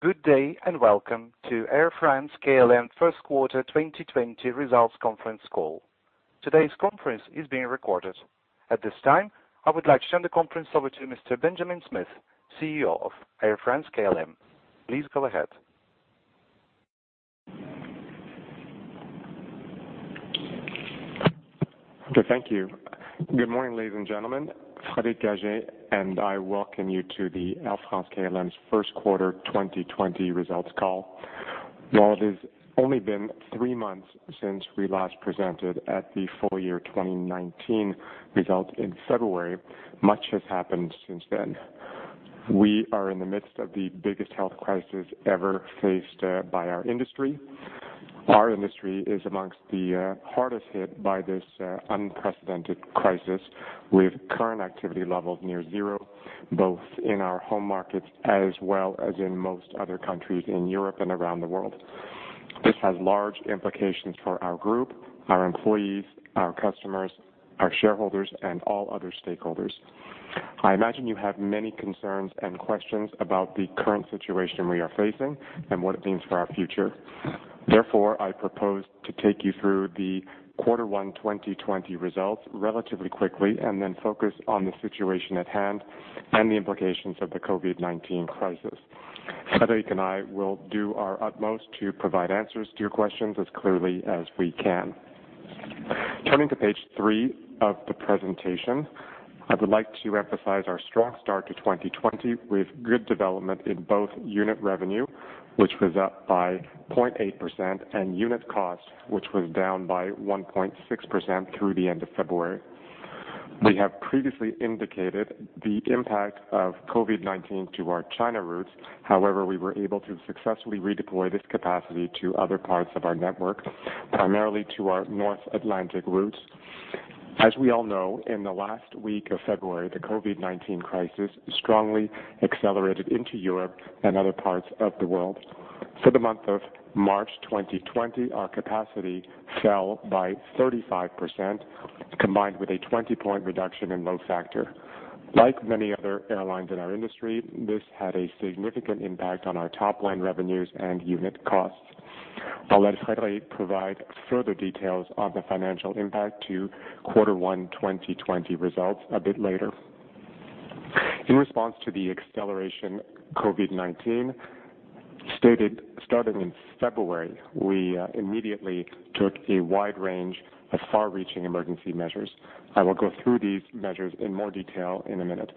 Good day. Welcome to Air France-KLM first quarter 2020 results conference call. Today's conference is being recorded. At this time, I would like to turn the conference over to Mr. Benjamin Smith, CEO of Air France-KLM. Please go ahead. Okay. Thank you. Good morning, ladies and gentlemen. Frédéric Gagey and I welcome you to the Air France-KLM's first quarter 2020 results call. While it has only been three months since we last presented at the full year 2019 results in February, much has happened since then. We are in the midst of the biggest health crisis ever faced by our industry. Our industry is among the hardest hit by this unprecedented crisis, with current activity levels near zero, both in our home markets as well as in most other countries in Europe and around the world. This has large implications for our group, our employees, our customers, our shareholders, and all other stakeholders. I imagine you have many concerns and questions about the current situation we are facing and what it means for our future. I propose to take you through the quarter one 2020 results relatively quickly, and then focus on the situation at hand and the implications of the COVID-19 crisis. Frédéric and I will do our utmost to provide answers to your questions as clearly as we can. Turning to page three of the presentation, I would like to emphasize our strong start to 2020 with good development in both unit revenue, which was up by 0.8%, and unit cost, which was down by 1.6% through the end of February. We have previously indicated the impact of COVID-19 to our China routes. However, we were able to successfully redeploy this capacity to other parts of our network, primarily to our North Atlantic routes. As we all know, in the last week of February, the COVID-19 crisis strongly accelerated into Europe and other parts of the world. For the month of March 2020, our capacity fell by 35%, combined with a 20-point reduction in load factor. Like many other airlines in our industry, this had a significant impact on our top-line revenues and unit costs. I'll let Frédéric provide further details on the financial impact to Q1 2020 results a bit later. In response to the acceleration of COVID-19, starting in February, we immediately took a wide range of far-reaching emergency measures. I will go through these measures in more detail in a minute.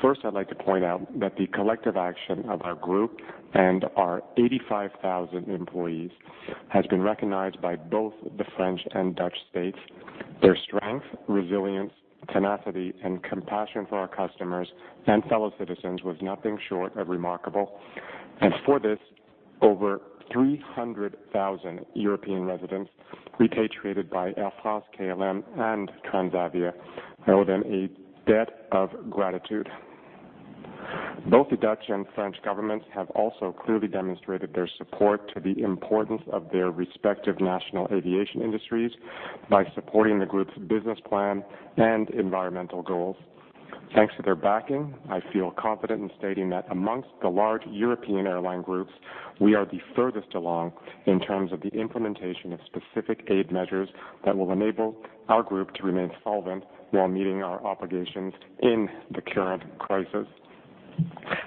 First, I'd like to point out that the collective action of our group and our 85,000 employees has been recognized by both the French and Dutch states. Their strength, resilience, tenacity, and compassion for our customers and fellow citizens was nothing short of remarkable. For this, over 300,000 European residents repatriated by Air France-KLM and Transavia owe them a debt of gratitude. Both the Dutch and French governments have also clearly demonstrated their support to the importance of their respective national aviation industries by supporting the group's business plan and environmental goals. Thanks to their backing, I feel confident in stating that amongst the large European airline groups, we are the furthest along in terms of the implementation of specific aid measures that will enable our group to remain solvent while meeting our obligations in the current crisis.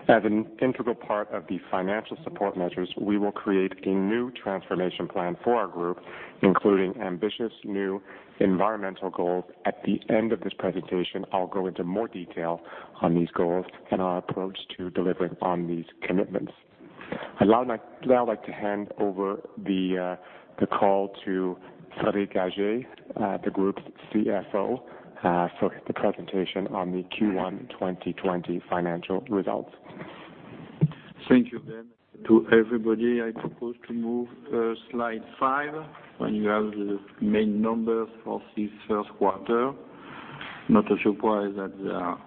As an integral part of the financial support measures, we will create a new transformation plan for our group, including ambitious new environmental goals. At the end of this presentation, I'll go into more detail on these goals and our approach to delivering on these commitments. I'd now like to hand over the call to Frédéric Gagey, the group's CFO, for the presentation on the Q1 2020 financial results. Thank you, Ben. To everybody, I propose to move to slide five, where you have the main numbers for the first quarter. Not a surprise that they are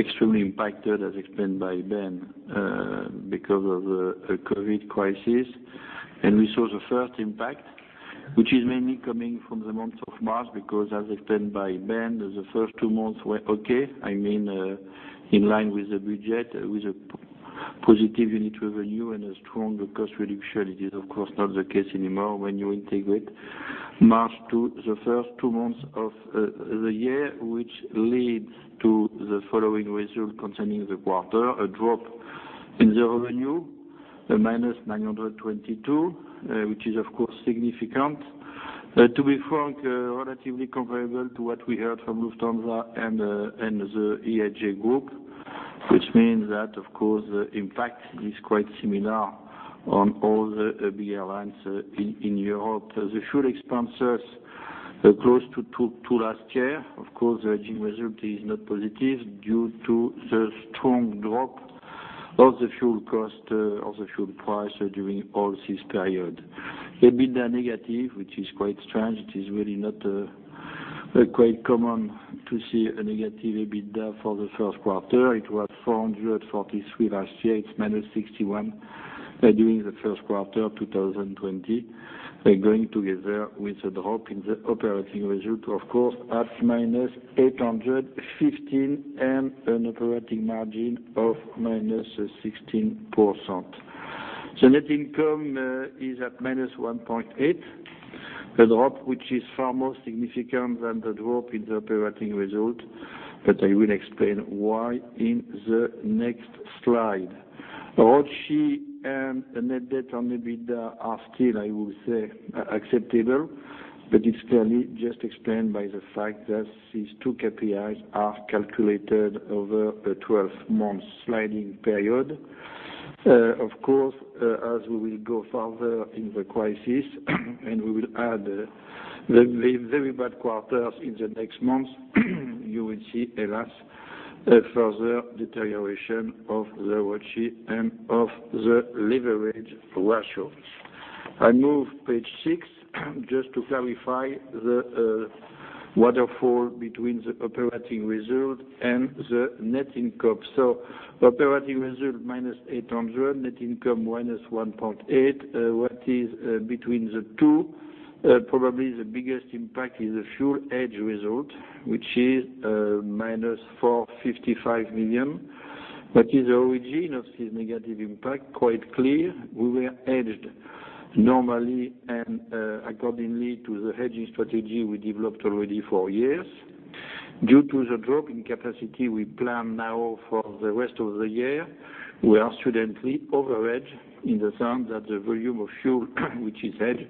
extremely impacted, as explained by Ben, because of the COVID crisis. We saw the first impact, which is mainly coming from the month of March, because as explained by Ben, the first two months were okay. I mean, in line with the budget, with a positive unit revenue and a stronger cost reduction. It is, of course, not the case anymore when you integrate March to the first two months of the year, which leads to the following result concerning the quarter. A drop in the revenue, a minus 922, which is, of course, significant. To be frank, relatively comparable to what we heard from Lufthansa and the IAG group, which means that, of course, the impact is quite similar on all the big airlines in Europe. The fuel expenses are close to last year. The hedging result is not positive due to the strong drop of the fuel price during all this period. EBITDA negative, which is quite strange. It is really not quite common to see a negative EBITDA for the first quarter. It was 443 last year. It's -61 during the first quarter of 2020. Going together with the drop in the operating result, of course, at -815 and an operating margin of -16%. Net income is at -1.8, a drop which is far more significant than the drop in the operating result, but I will explain why in the next slide. ROCE and net debt on EBITDA are still, I would say, acceptable, but it's clearly just explained by the fact that these two KPIs are calculated over a 12-month sliding period. As we will go further in the crisis, and we will add the very bad quarters in the next months, you will see, alas, a further deterioration of the ROCE and of the leverage ratios. I move page six just to clarify the waterfall between the operating result and the net income. Operating result -800 million, net income -1.8 billion. What is between the two? Probably the biggest impact is the fuel hedge result, which is -455 million. What is the origin of this negative impact? Quite clear. We were hedged normally and accordingly to the hedging strategy we developed already for years. Due to the drop in capacity we plan now for the rest of the year, we are suddenly over-hedged in the sense that the volume of fuel which is hedged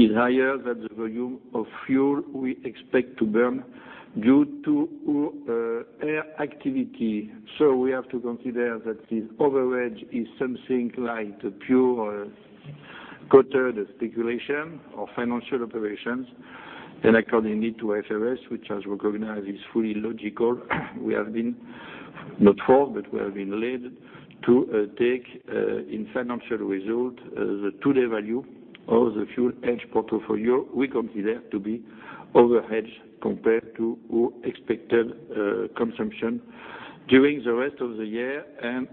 is higher than the volume of fuel we expect to burn due to air activity. We have to consider that this over-hedge is something like a pure quarter speculation of financial operations. Accordingly to IFRS, which, as we recognize, is fully logical, we have been, not forced, but we have been led to take in financial result the today value of the fuel hedge portfolio we consider to be over-hedged compared to expected consumption during the rest of the year.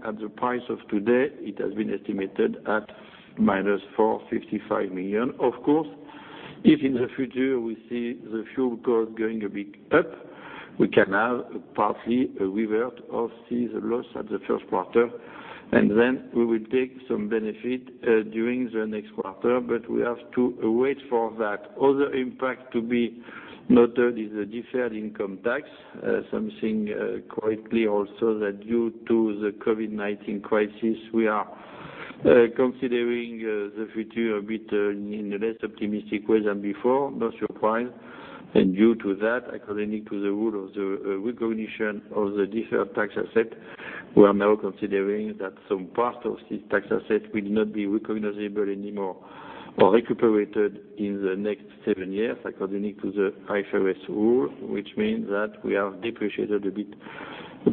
At the price of today, it has been estimated at -455 million. Of course, if in the future we see the fuel cost going a bit up, we can now partly revert or see the loss at the first quarter, and then we will take some benefit during the next quarter, but we have to wait for that. Other impact to be noted is the deferred income tax. Something quite clear also that due to the COVID-19 crisis, we are considering the future a bit in a less optimistic way than before. No surprise. Due to that, according to the rule of the recognition of the deferred tax asset, we are now considering that some part of this tax asset will not be recognizable anymore or recuperated in the next seven years according to the IFRS rule, which means that we have depreciated a bit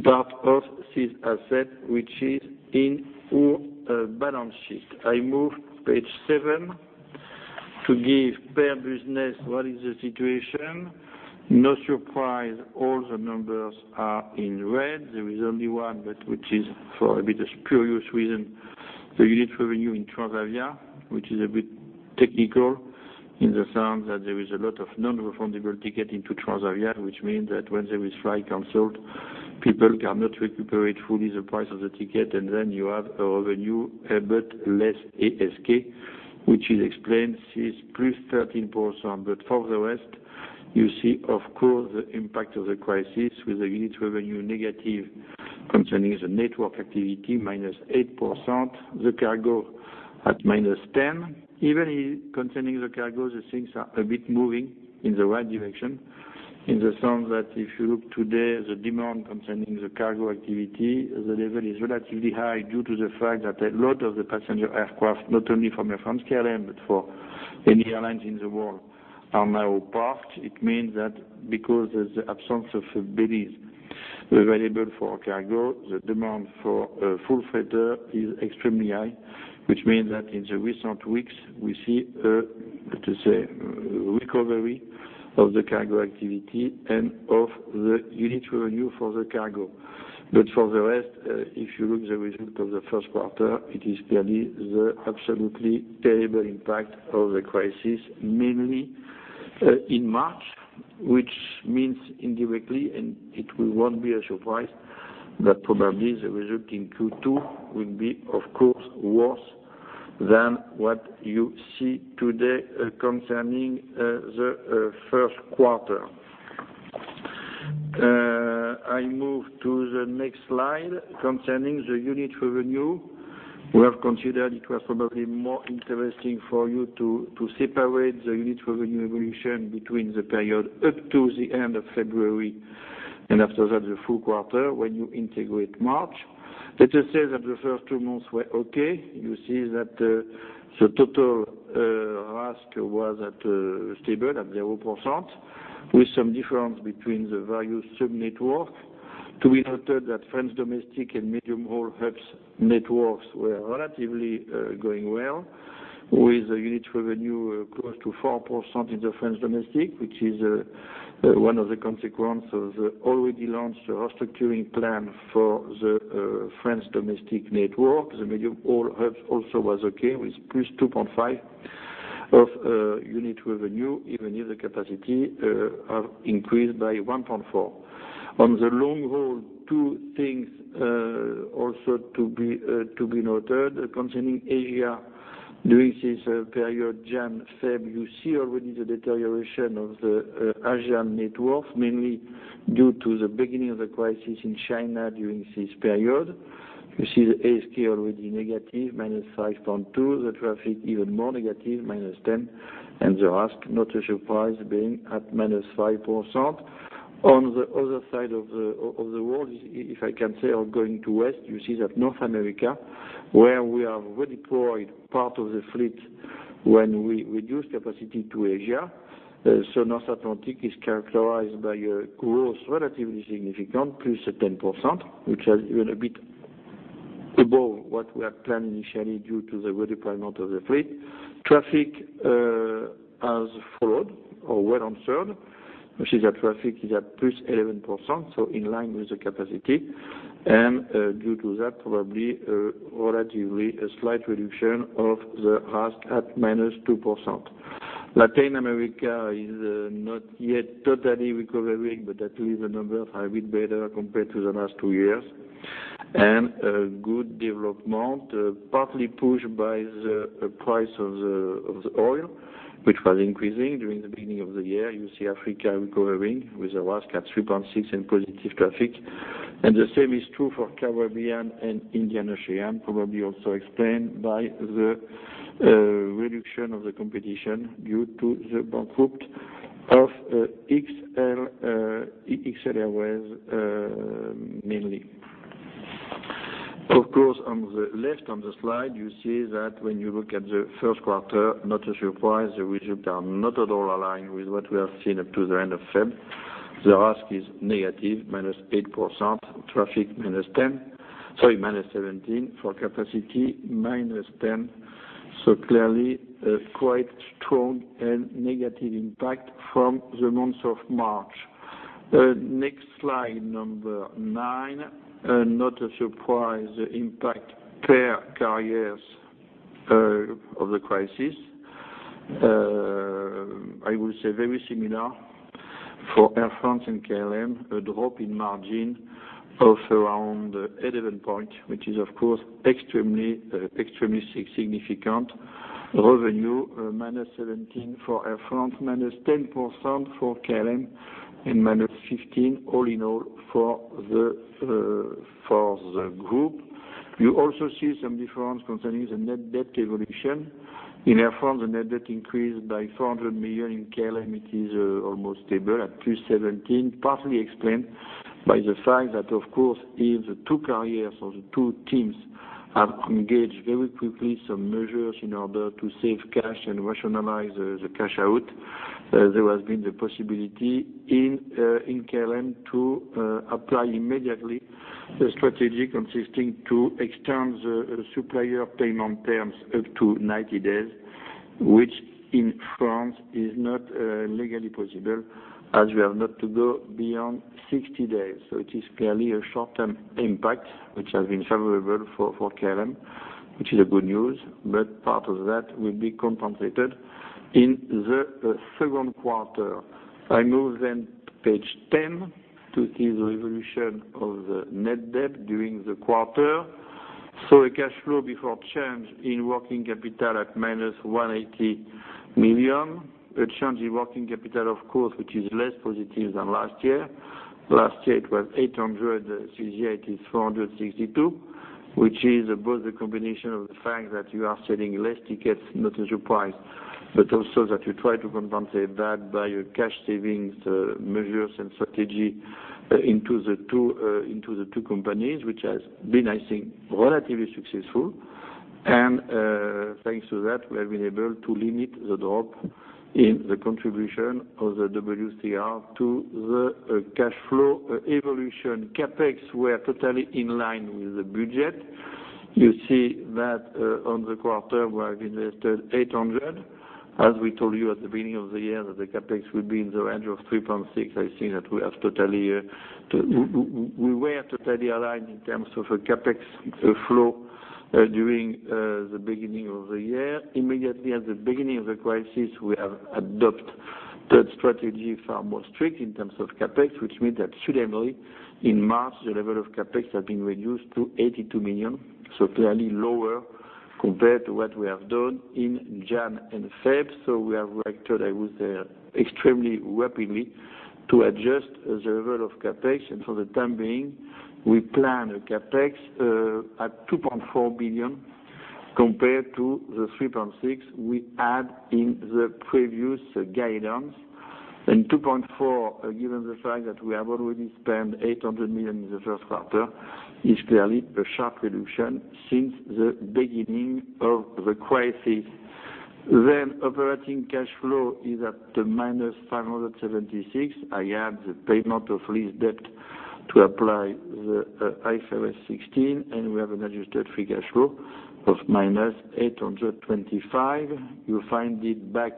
part of this asset, which is in our balance sheet. I move page seven to give per business what is the situation. No surprise, all the numbers are in red. There is only one, but which is for a bit of spurious reason, the unit revenue in Transavia, which is a bit technical in the sense that there is a lot of non-refundable ticket into Transavia, which means that when there is flight canceled, people cannot recuperate fully the price of the ticket, and then you have a revenue, but less ASK, which explains this +13%. For the rest, you see, of course, the impact of the crisis with the unit revenue negative concerning the network activity, -8%, the cargo at -10%. Even concerning the cargo, the things are a bit moving in the right direction in the sense that if you look today, the demand concerning the cargo activity, the level is relatively high due to the fact that a lot of the passenger aircraft, not only from Air France-KLM, but for any airlines in the world, are now parked. It means that because of the absence of bellies available for cargo, the demand for full freighter is extremely high, which means that in the recent weeks, we see a, let us say, recovery of the cargo activity and of the unit revenue for the cargo. For the rest, if you look the result of the first quarter, it is clearly the absolutely terrible impact of the crisis, mainly in March, which means indirectly, and it won't be a surprise, that probably the result in Q2 will be, of course, worse than what you see today concerning the first quarter. I move to the next slide concerning the unit revenue. We have considered it was probably more interesting for you to separate the unit revenue evolution between the period up to the end of February, and after that, the full quarter when you integrate March. Let us say that the first two months were okay. You see that the total RASK was at stable, at 0%, with some difference between the various sub-network. To be noted that France domestic and medium-haul hubs networks were relatively going well, with a unit revenue close to 4% in the France domestic, which is one of the consequences, already launched a restructuring plan for the French domestic network. The medium-haul hubs also was okay, with +2.5 of unit revenue, even if the capacity have increased by 1.4%. On the long haul, two things also to be noted concerning Asia. During this period, January, February, you see already the deterioration of the Asian networks, mainly due to the beginning of the crisis in China during this period. You see the ASK already negative, -5.2%. The traffic even more negative, -10%, and the ASK, not a surprise, being at -5%. On the other side of the world, if I can say, or going to west, you see that North America, where we have redeployed part of the fleet when we reduced capacity to Asia. North Atlantic is characterized by a growth relatively significant, plus 10%, which has even a bit above what we had planned initially due to the redeployment of the fleet. Traffic has followed, or well answered, which is that traffic is at plus 11%, so in line with the capacity. Due to that, probably, relatively a slight reduction of the ASK at -2%. Latin America is not yet totally recovering, but at least the numbers are a bit better compared to the last two years. Good development, partly pushed by the price of the oil, which was increasing during the beginning of the year. You see Africa recovering, with the ASK at 3.6 and positive traffic. The same is true for Caribbean and Indian Ocean, probably also explained by the reduction of the competition due to the bankrupt of XL Airways, mainly. Of course, on the left on the slide, you see that when you look at the first quarter, not a surprise, the results are not at all aligned with what we have seen up to the end of February. The ASK is negative, -8%, traffic -17%, for capacity, -10%, so clearly a quite strong and negative impact from the month of March. Next slide, number nine. Not a surprise, the impact per carriers of the crisis. I would say very similar for Air France and KLM. A drop in margin of around 11 point, which is, of course, extremely significant. Revenue, -17% for Air France, -10% for KLM, and -15% all in all for the group. You also see some difference concerning the net debt evolution. In Air France, the net debt increased by 400 million. In KLM, it is almost stable at 217 million, partly explained by the fact that, of course, if the two carriers or the two teams have engaged very quickly some measures in order to save cash and rationalize the cash out, there has been the possibility in KLM to apply immediately the strategy consisting to extend the supplier payment terms up to 90 days, which in France is not legally possible, as we have not to go beyond 60 days. It is clearly a short-term impact, which has been favorable for KLM, which is a good news, but part of that will be compensated in the second quarter. I move to page 10 to see the evolution of the net debt during the quarter. A cash flow before change in working capital at -180 million. A change in working capital, of course, which is less positive than last year. Last year, it was 800, this year it is 462, which is both the combination of the fact that you are selling less tickets, not a surprise, but also that you try to compensate that by your cash savings measures and strategy into the two companies, which has been, I think, relatively successful. Thanks to that, we have been able to limit the drop in the contribution of the WCR to the cash flow evolution. CapEx were totally in line with the budget. You see that on the quarter, we have invested 800. As we told you at the beginning of the year that the CapEx would be in the range of 3.6 billion. I think that we were totally aligned in terms of a CapEx flow during the beginning of the year. Immediately at the beginning of the crisis, we have adopt that strategy far more strict in terms of CapEx, which means that suddenly in March, the level of CapEx have been reduced to 82 million, so clearly lower compared to what we have done in Jan and Feb. We have reacted, I would say, extremely rapidly to adjust the level of CapEx, and for the time being, we plan a CapEx at 2.4 billion compared to the 3.6 billion we had in the previous guidance. 2.4, given the fact that we have already spent 800 million in the first quarter, is clearly a sharp reduction since the beginning of the crisis. Operating cash flow is at the -576. I add the payment of lease debt to apply the IFRS 16. We have an adjusted free cash flow of minus 825. You'll find it back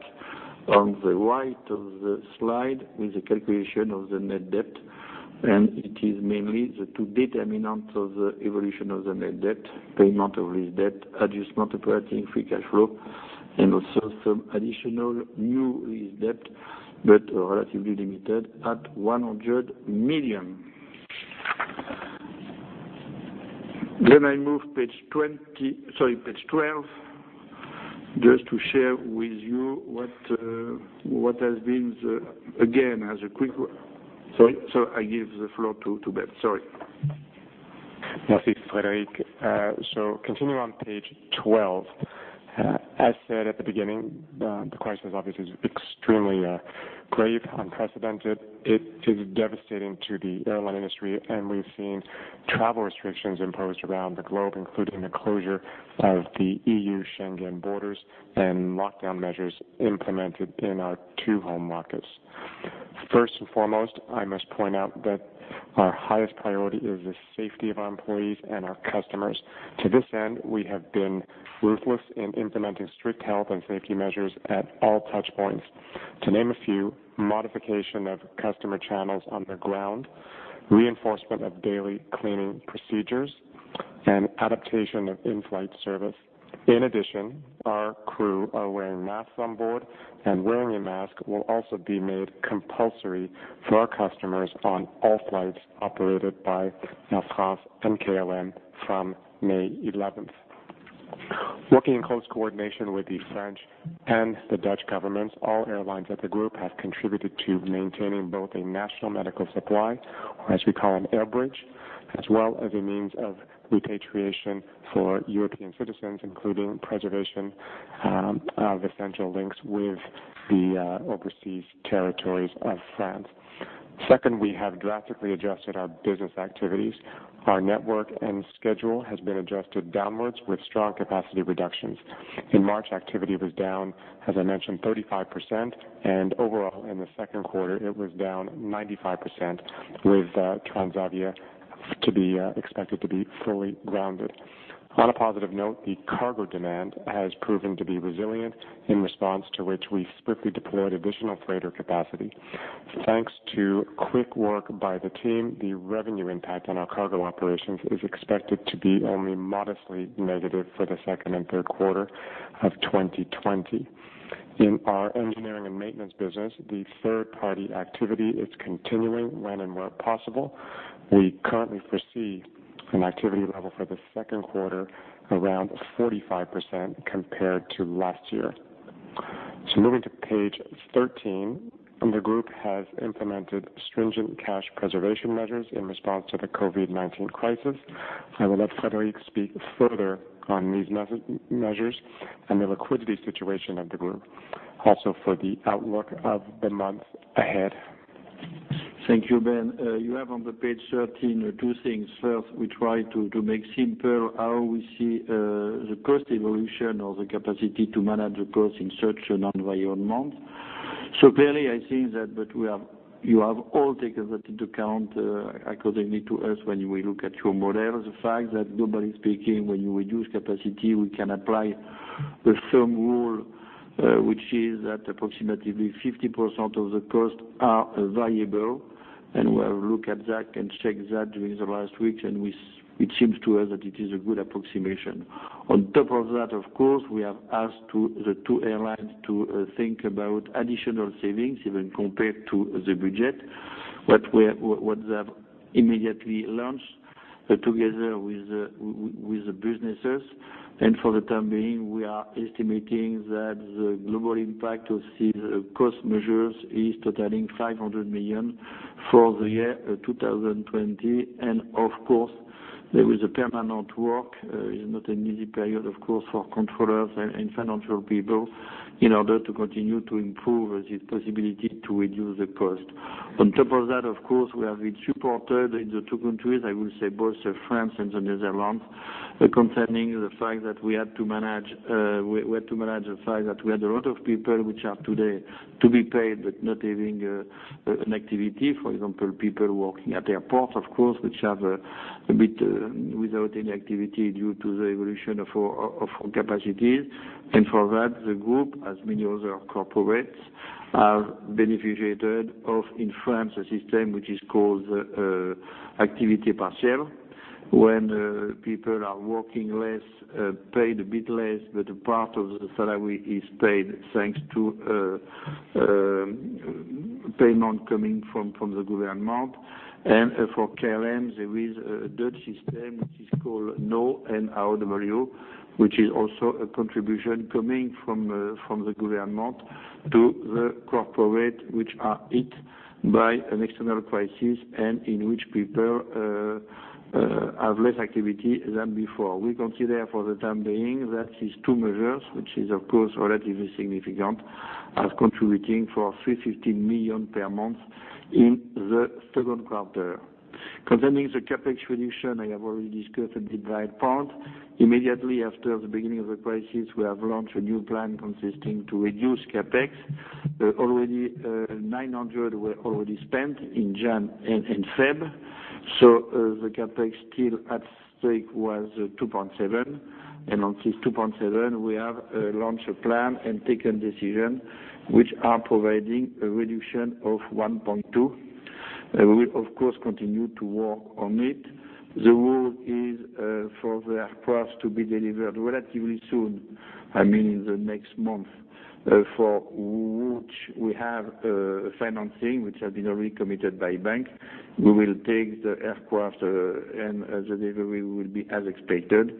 on the right of the slide with the calculation of the net debt. It is mainly the two determinants of the evolution of the net debt, payment of lease debt, adjusted operating free cash flow, and also some additional new lease debt, but relatively limited at 100 million. I move, page 12, just to share with you what has been, again. Sorry? I give the floor to Ben. Sorry. Merci, Frédéric. Continuing on page 12. As said at the beginning, the crisis, obviously, is extremely grave, unprecedented. It is devastating to the airline industry, and we've seen travel restrictions imposed around the globe, including the closure of the EU Schengen borders and lockdown measures implemented in our two home markets. First and foremost, I must point out that our highest priority is the safety of our employees and our customers. To this end, we have been ruthless in implementing strict health and safety measures at all touchpoints. To name a few, modification of customer channels on the ground, reinforcement of daily cleaning procedures, and adaptation of in-flight service. In addition, our crew are wearing masks on board, and wearing a mask will also be made compulsory for our customers on all flights operated by Air France and KLM from May 11th. Working in close coordination with the French and the Dutch governments, all airlines of the group have contributed to maintaining both a national medical supply, or as we call an air bridge, as well as a means of repatriation for European citizens, including preservation of essential links with the overseas territories of France. Second, we have drastically adjusted our business activities. Our network and schedule has been adjusted downwards with strong capacity reductions. In March, activity was down, as I mentioned, 35%, and overall, in the second quarter, it was down 95%, with Transavia expected to be fully grounded. On a positive note, the cargo demand has proven to be resilient, in response to which we swiftly deployed additional freighter capacity. Thanks to quick work by the team, the revenue impact on our cargo operations is expected to be only modestly negative for the second and third quarter of 2020. In our engineering and maintenance business, the third-party activity is continuing when and where possible. We currently foresee an activity level for the second quarter around 45% compared to last year. Moving to page 13. The group has implemented stringent cash preservation measures in response to the COVID-19 crisis. I will let Frederic speak further on these measures and the liquidity situation of the group, also for the outlook of the months ahead. Thank you, Ben. You have on page 13 two things. First, we try to make simple how we see the cost evolution or the capacity to manage the cost in such an environment. Clearly, I think that you have all taken that into account according to us when you look at your model. The fact that globally speaking, when you reduce capacity, we can apply the same rule, which is that approximately 50% of the costs are variable. We have looked at that and checked that during the last weeks, and it seems to us that it is a good approximation. On top of that, of course, we have asked the two airlines to think about additional savings, even compared to the budget, what they have immediately launched together with the businesses. For the time being, we are estimating that the global impact of the cost measures is totaling 500 million for the year 2020. Of course, there is a permanent work. It is not an easy period, of course, for controllers and financial people in order to continue to improve this possibility to reduce the cost. On top of that, of course, we have been supported in the two countries, I will say both France and the Netherlands, concerning the fact that we had to manage the fact that we had a lot of people, which are today to be paid, but not having an activity. For example, people working at airports, of course, which are a bit without any activity due to the evolution of our capacities. For that, the group, as many other corporates, have benefited of, in France, a system which is called Activité Partielle, when people are working less, paid a bit less, but a part of the salary is paid thanks to payment coming from the government. For KLM, there is a Dutch system, which is called NOW, which is also a contribution coming from the government to the corporate, which are hit by an external crisis, and in which people have less activity than before. We consider, for the time being, that these two measures, which is, of course, relatively significant, as contributing for 315 million per month in the second quarter. Concerning the CapEx reduction, I have already discussed the divide part. Immediately after the beginning of the crisis, we have launched a new plan consisting to reduce CapEx. Already, 900 were already spent in Jan and Feb. The CapEx still at stake was 2.7, and on this 2.7, we have launched a plan and taken decision, which are providing a reduction of 1.2. We will, of course, continue to work on it. The rule is for the aircraft to be delivered relatively soon, I mean, in the next month, for which we have financing, which has been already committed by bank. We will take the aircraft, and the delivery will be as expected.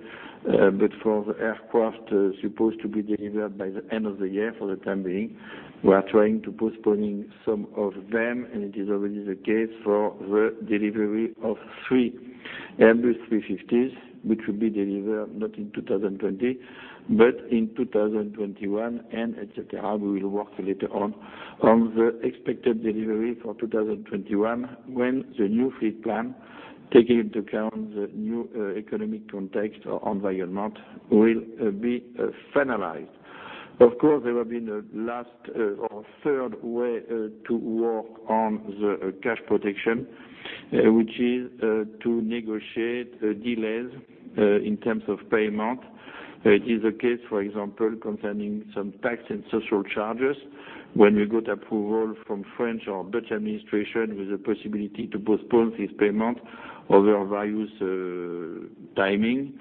For the aircraft supposed to be delivered by the end of the year, for the time being, we are trying to postponing some of them, and it is already the case for the delivery of three Airbus A350s, which will be delivered not in 2020 but in 2021, and et cetera. We will work later on the expected delivery for 2021, when the new fleet plan, taking into account the new economic context or environment, will be finalized. Of course, there will be last or third way to work on the cash protection, which is to negotiate delays in terms of payment. It is the case, for example, concerning some tax and social charges. When we got approval from French or Dutch administration with the possibility to postpone this payment, other various timing.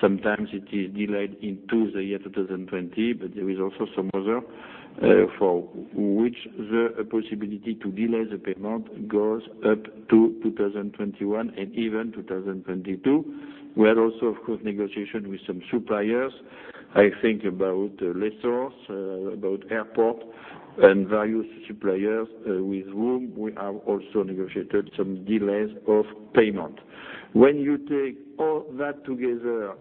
Sometimes it is delayed into the year 2020, but there is also some other for which the possibility to delay the payment goes up to 2021 and even 2022. We had also, of course, negotiation with some suppliers. I think about lessors, about airport, and various suppliers with whom we have also negotiated some delays of payment. When you take all that together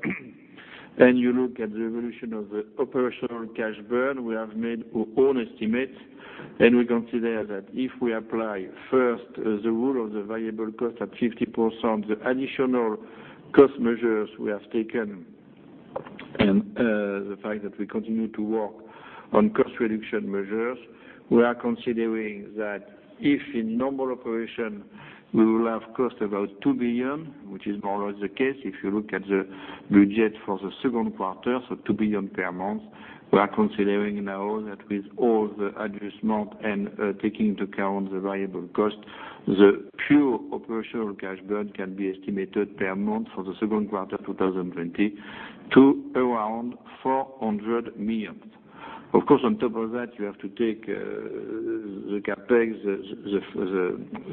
and you look at the evolution of the operational cash burn, we have made our own estimate, and we consider that if we apply first the rule of the variable cost at 50%, the additional cost measures we have taken and the fact that we continue to work on cost reduction measures, we are considering that if in normal operation, we will have cost about 2 billion, which is more or less the case, if you look at the budget for the second quarter, 2 billion per month. We are considering now that with all the adjustment and taking into account the variable cost, the pure operational cash burn can be estimated per month for the second quarter 2020 to around 400 million. Of course, on top of that, you have to take the CapEx,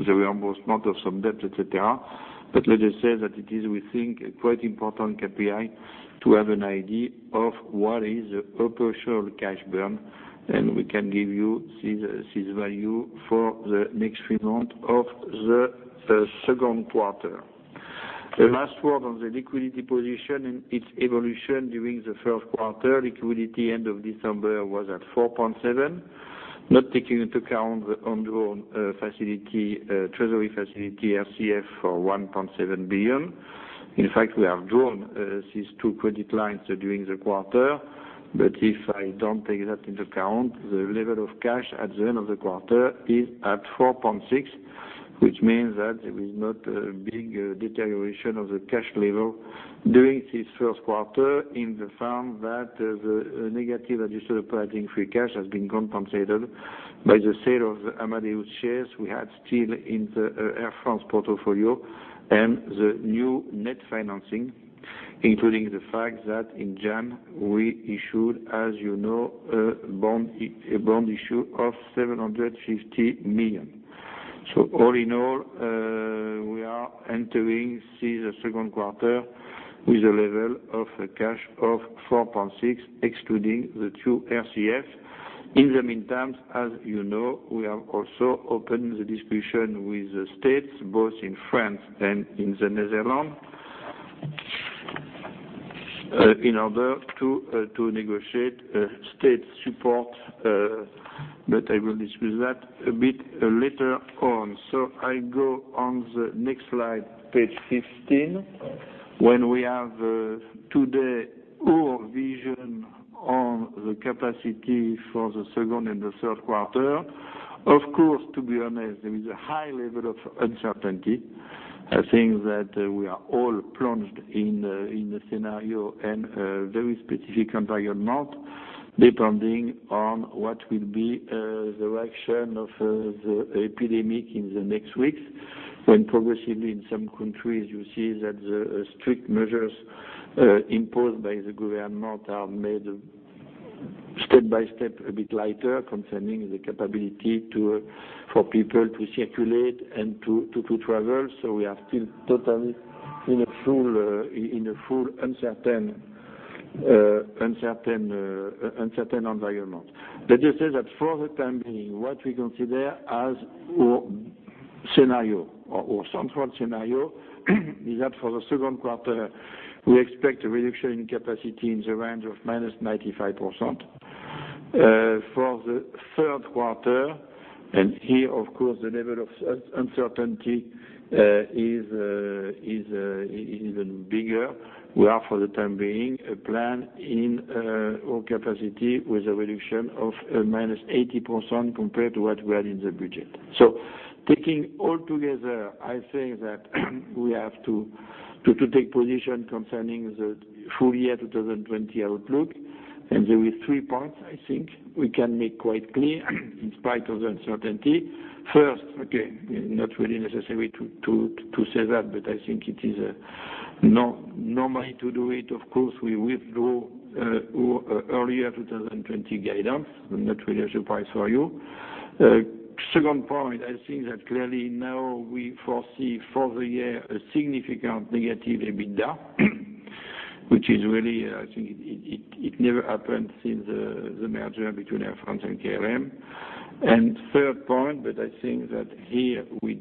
the reimbursement of some debt, et cetera. Let us say that it is, we think, a quite important KPI to have an idea of what is the operational cash burn, and we can give you this value for the next three months of the second quarter. The last word on the liquidity position and its evolution during the first quarter, liquidity end of December was at 4.7, not taking into account the undrawn facility, treasury facility, RCF for 1.7 billion. In fact, we have drawn these two credit lines during the quarter. If I don't take that into account, the level of cash at the end of the quarter is at 4.6, which means that there is not a big deterioration of the cash level during this first quarter in the form that the negative adjusted operating free cash has been compensated by the sale of the Amadeus shares we had still in the Air France portfolio, and the new net financing, including the fact that in January, we issued, as you know, a bond issue of 750 million. All in all, we are entering this second quarter with a level of cash of 4.6, excluding the two RCF. In the meantime, as you know, we have also opened the discussion with the states, both in France and in the Netherlands, in order to negotiate state support, I will discuss that a bit later on. I go on the next slide, page 15, when we have today our vision on the capacity for the second and the third quarter. Of course, to be honest, there is a high level of uncertainty. I think that we are all plunged in a scenario and a very specific environment, depending on what will be the reaction of the epidemic in the next weeks, when progressively in some countries, you see that the strict measures, imposed by the government are made step by step a bit lighter concerning the capability for people to circulate and to travel. We are still totally in a full uncertain environment. Let me say that for the time being, what we consider as our scenario or central scenario, is that for the second quarter, we expect a reduction in capacity in the range of -95%. For the third quarter. Here, of course, the level of uncertainty is even bigger. We have, for the time being, a plan in our capacity with a reduction of minus 80% compared to what we had in the budget. Taking all together, I think that we have to take position concerning the full year 2020 outlook, and there is three parts I think we can make quite clear in spite of the uncertainty. First, okay, not really necessary to say that, but I think it is normal to do it. Of course, we withdraw our earlier 2020 guidance. Not really a surprise for you. Second point, I think that clearly now we foresee for the year a significant negative EBITDA, which is really, I think it never happened since the merger between Air France and KLM. Third point, but I think that here we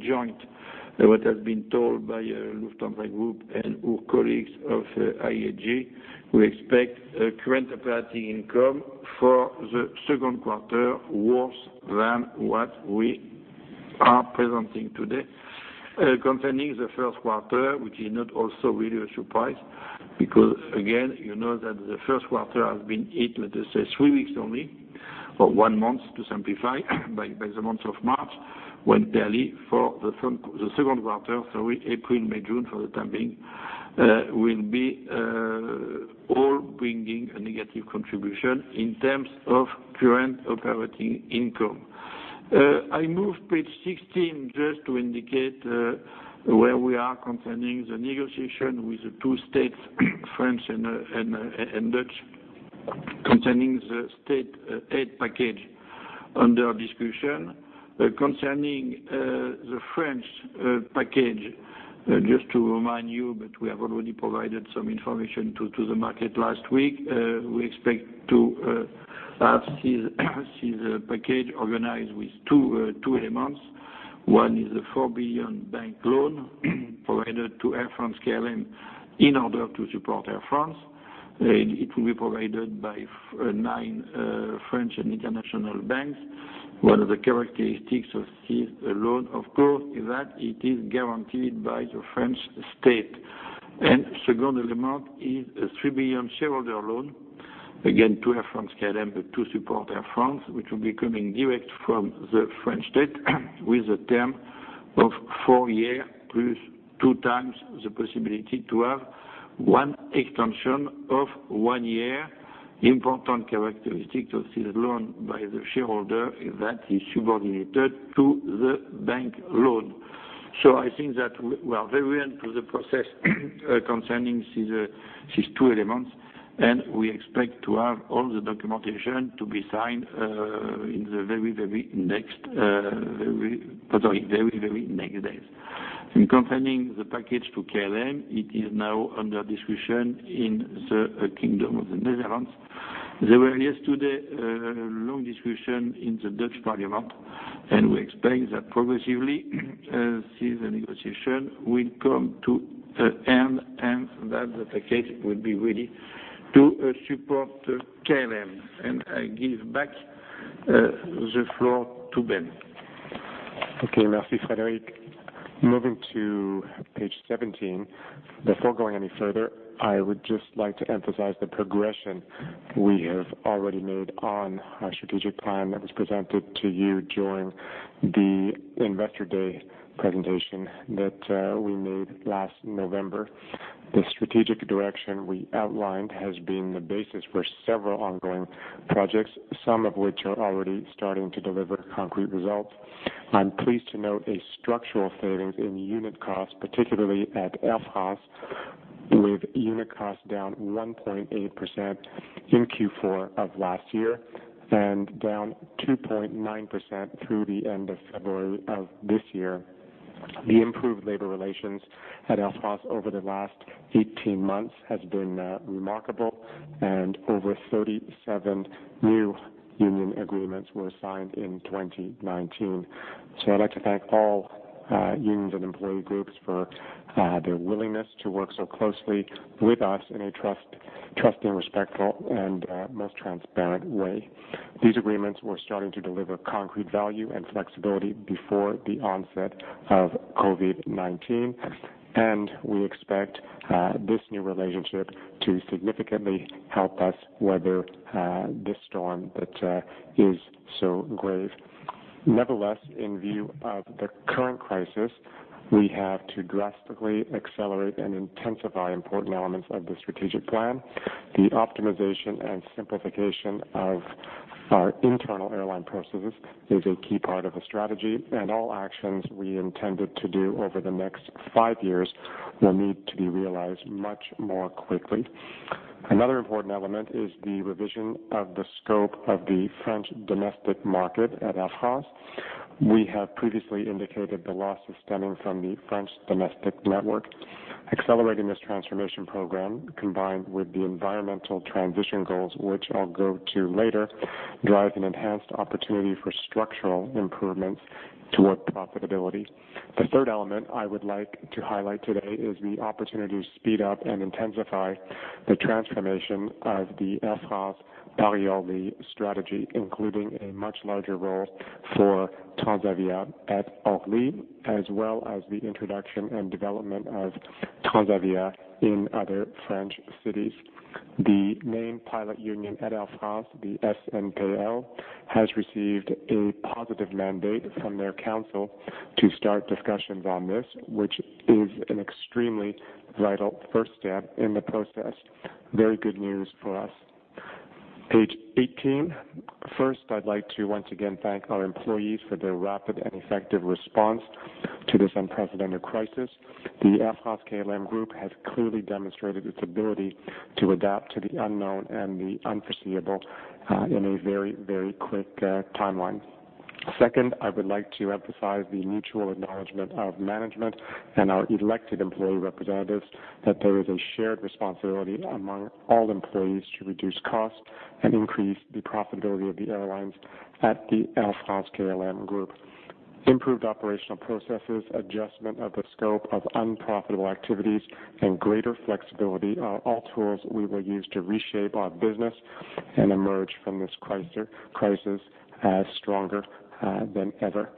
joined what has been told by Lufthansa Group and our colleagues of IAG, we expect current operating income for the second quarter worse than what we are presenting today. Concerning the first quarter, which is not also really a surprise because, again, you know that the first quarter has been eaten, let us say, three weeks only, or one month to simplify, by the month of March. Barely for the second quarter, sorry, April, May, June for the time being, will be all bringing a negative contribution in terms of current operating income. Move page 16 just to indicate where we are concerning the negotiation with the two states, France and Dutch, concerning the state aid package under our discussion. Concerning the French package, just to remind you, we have already provided some information to the market last week. We expect to have this package organized with two elements. One is the 4 billion bank loan provided to Air France-KLM in order to support Air France. It will be provided by nine French and international banks. One of the characteristics of this loan, of course, is that it is guaranteed by the French state. Second element is a 3 billion shareholder loan, again to Air France-KLM, but to support Air France, which will be coming direct from the French state with a term of four year, plus two times the possibility to have one extension of one year. Important characteristic of this loan by the shareholder is that it's subordinated to the bank loan. I think that we are very well into the process concerning these two elements, and we expect to have all the documentation to be signed in the very, very next days. Concerning the package to KLM, it is now under discussion in the Kingdom of the Netherlands. There were yesterday a long discussion in the Dutch parliament, we expect that progressively, this negotiation will come to an end, and that the package will be ready to support KLM. I give back the floor to Ben. Okay, merci, Frédéric. Moving to page 17. Before going any further, I would just like to emphasize the progression we have already made on our strategic plan that was presented to you during the Investor Day presentation that we made last November. The strategic direction we outlined has been the basis for several ongoing projects, some of which are already starting to deliver concrete results. I'm pleased to note a structural savings in unit cost, particularly at Air France, with unit cost down 1.8% in Q4 of last year, and down 2.9% through the end of February of this year. The improved labor relations at Air France over the last 18 months has been remarkable, and over 37 new union agreements were signed in 2019. I'd like to thank all unions and employee groups for their willingness to work so closely with us in a trust and respectful and most transparent way. These agreements were starting to deliver concrete value and flexibility before the onset of COVID-19. We expect this new relationship to significantly help us weather this storm that is so grave. Nevertheless, in view of the current crisis, we have to drastically accelerate and intensify important elements of the strategic plan. The optimization and simplification of our internal airline processes is a key part of the strategy. All actions we intended to do over the next five years will need to be realized much more quickly. Another important element is the revision of the scope of the French domestic market at Air France. We have previously indicated the losses stemming from the French domestic network. Accelerating this transformation program, combined with the environmental transition goals, which I'll go to later, drive an enhanced opportunity for structural improvement toward profitability. The third element I would like to highlight today is the opportunity to speed up and intensify the transformation of the Air France-Paris Orly strategy, including a much larger role for Transavia at Orly, as well as the introduction and development of Transavia in other French cities. The main pilot union at Air France, the SNPL, has received a positive mandate from their council to start discussions on this, which is an extremely vital first step in the process. Very good news for us. Page 18. First, I'd like to once again thank our employees for their rapid and effective response to this unprecedented crisis. The Air France-KLM Group has clearly demonstrated its ability to adapt to the unknown and the unforeseeable in a very quick timeline. Second, I would like to emphasize the mutual acknowledgment of management and our elected employee representatives that there is a shared responsibility among all employees to reduce costs and increase the profitability of the airlines at the Air France-KLM Group. Improved operational processes, adjustment of the scope of unprofitable activities, and greater flexibility are all tools we will use to reshape our business and emerge from this crisis stronger than ever.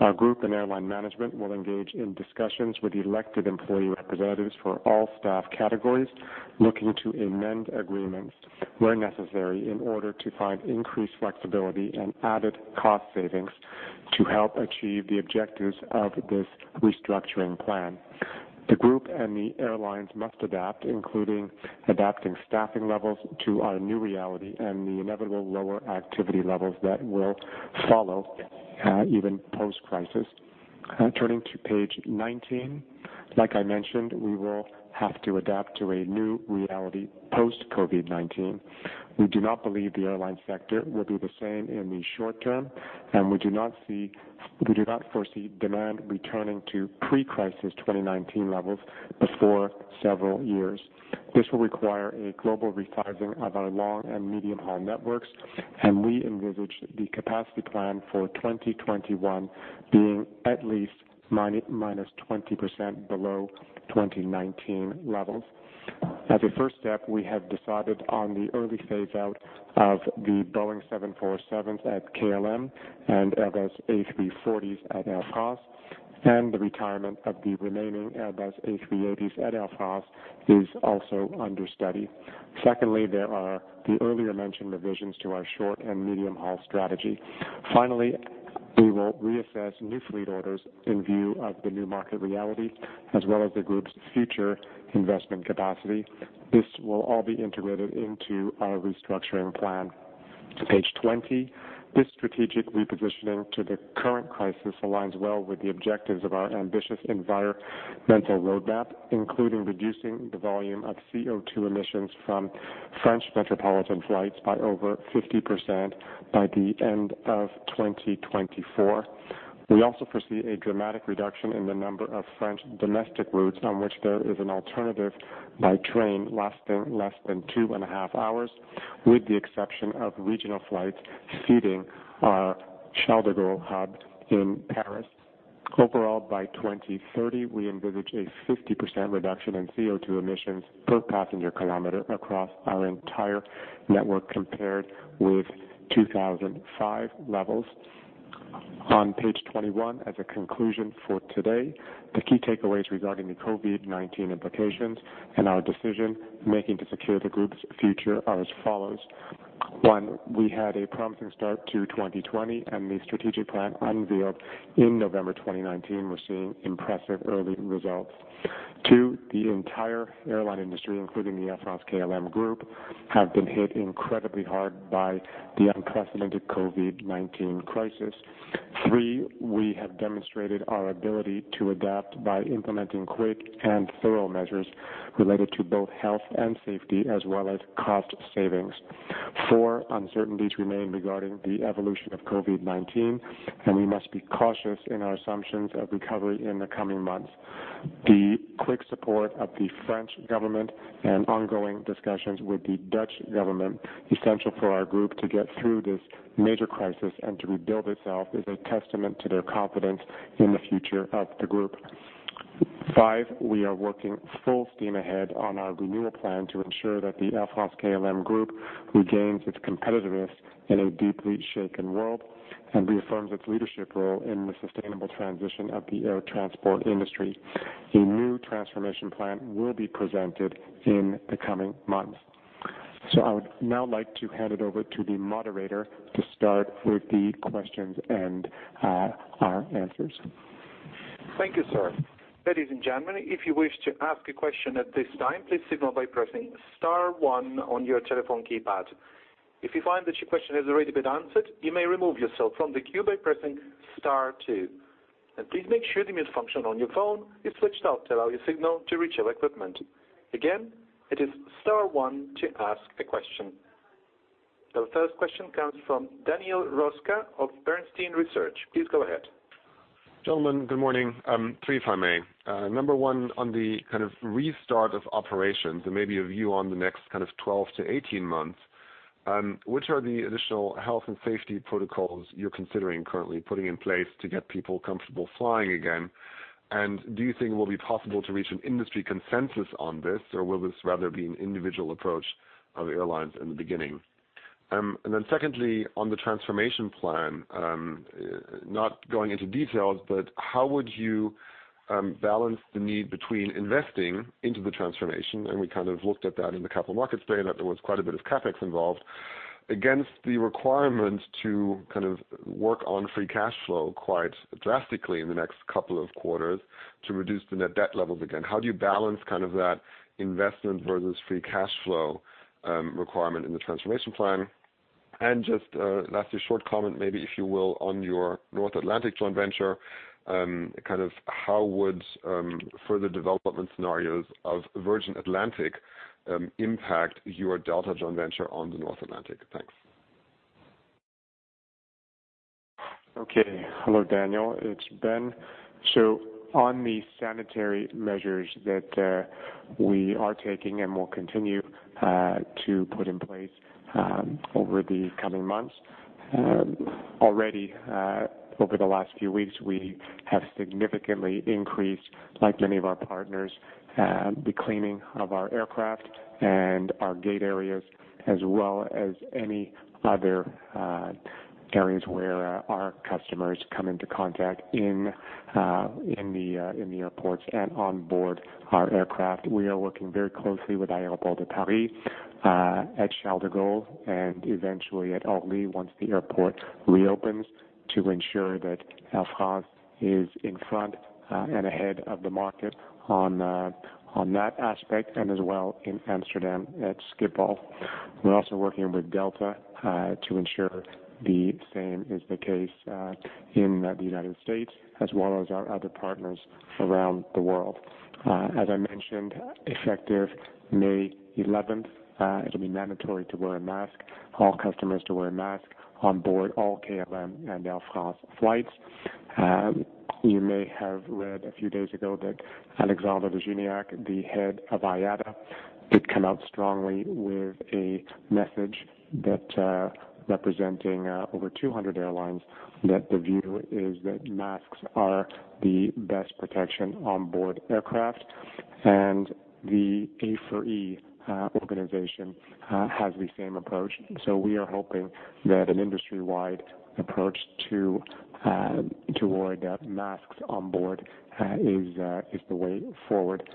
Our Group and airline management will engage in discussions with elected employee representatives for all staff categories, looking to amend agreements where necessary in order to find increased flexibility and added cost savings to help achieve the objectives of this restructuring plan. The Group and the Airlines must adapt, including adapting staffing levels to our new reality and the inevitable lower activity levels that will follow, even post-crisis. Turning to page 19. Like I mentioned, we will have to adapt to a new reality post-COVID-19. We do not believe the airline sector will be the same in the short term, and we do not foresee demand returning to pre-crisis 2019 levels before several years. This will require a global resizing of our long and medium-haul networks, and we envisage the capacity plan for 2021 being at least -20% below 2019 levels. As a first step, we have decided on the early phase-out of the Boeing 747s at KLM and Airbus A340s at Air France, and the retirement of the remaining Airbus A380s at Air France is also under study. Secondly, there are the earlier mentioned revisions to our short and medium-haul strategy. Finally, we will reassess new fleet orders in view of the new market reality, as well as the Group's future investment capacity. This will all be integrated into our restructuring plan. To page 20. This strategic repositioning to the current crisis aligns well with the objectives of our ambitious environmental roadmap, including reducing the volume of CO2 emissions from French metropolitan flights by over 50% by the end of 2024. We also foresee a dramatic reduction in the number of French domestic routes on which there is an alternative by train less than two and a half hours, with the exception of regional flights feeding our Charles de Gaulle hub in Paris. Overall, by 2030, we envisage a 50% reduction in CO2 emissions per passenger kilometer across our entire network compared with 2005 levels. On page 21, as a conclusion for today, the key takeaways regarding the COVID-19 implications and our decision-making to secure the Group's future are as follows. One, we had a promising start to 2020, and the strategic plan unveiled in November 2019 was seeing impressive early results. Two, the entire airline industry, including the Air France-KLM Group, have been hit incredibly hard by the unprecedented COVID-19 crisis. Three, we have demonstrated our ability to adapt by implementing quick and thorough measures related to both health and safety as well as cost savings. Four, uncertainties remain regarding the evolution of COVID-19, and we must be cautious in our assumptions of recovery in the coming months. The quick support of the French government and ongoing discussions with the Dutch government, essential for our Group to get through this major crisis and to rebuild itself, is a testament to their confidence in the future of the Group. Five, we are working full steam ahead on our renewal plan to ensure that the Air France-KLM Group regains its competitiveness in a deeply shaken world and reaffirms its leadership role in the sustainable transition of the air transport industry. A new transformation plan will be presented in the coming months. I would now like to hand it over to the moderator to start with the questions and our answers. Thank you, sir. Ladies and gentlemen, if you wish to ask a question at this time, please signal by pressing star one on your telephone keypad. If you find that your question has already been answered, you may remove yourself from the queue by pressing star two. Please make sure the mute function on your phone is switched off to allow your signal to reach our equipment. Again, it is star one to ask a question. The first question comes from Daniel Röska of Bernstein Research. Please go ahead. Gentlemen, good morning. Please, if I may. Number one, on the restart of operations, and maybe a view on the next 12-18 months. Which are the additional health and safety protocols you are considering currently putting in place to get people comfortable flying again? Do you think it will be possible to reach an industry consensus on this, or will this rather be an individual approach of airlines in the beginning? Secondly, on the transformation plan, not going into details, but how would you balance the need between investing into the transformation, and we looked at that in the capital markets day, that there was quite a bit of CapEx involved, against the requirement to work on free cash flow quite drastically in the next couple of quarters to reduce the net debt levels again. How do you balance that investment versus free cash flow requirement in the transformation plan? Just lastly, a short comment, maybe if you will, on your North Atlantic joint venture. How would further development scenarios of Virgin Atlantic impact your Delta joint venture on the North Atlantic? Thanks. Okay. Hello, Daniel. It's Ben. On the sanitary measures that we are taking and will continue to put in place over the coming months, already over the last few weeks, we have significantly increased, like many of our partners, the cleaning of our aircraft and our gate areas, as well as any other areas where our customers come into contact in the airports and on board our aircraft. We are working very closely with Aéroports de Paris at Charles de Gaulle, and eventually at Orly, once the airport reopens, to ensure that Air France is in front and ahead of the market on that aspect, and as well in Amsterdam at Schiphol. We're also working with Delta to ensure the same is the case in the United States, as well as our other partners around the world. As I mentioned, effective May 11th, it will be mandatory to wear a mask. All customers to wear a mask on board all KLM and Air France flights. You may have read a few days ago that Alexandre de Juniac, the head of IATA, did come out strongly with a message that, representing over 200 airlines, that the view is that masks are the best protection on board aircraft, and the A4E organization has the same approach. We are hoping that an industry-wide approach to wearing masks on board is the way forward.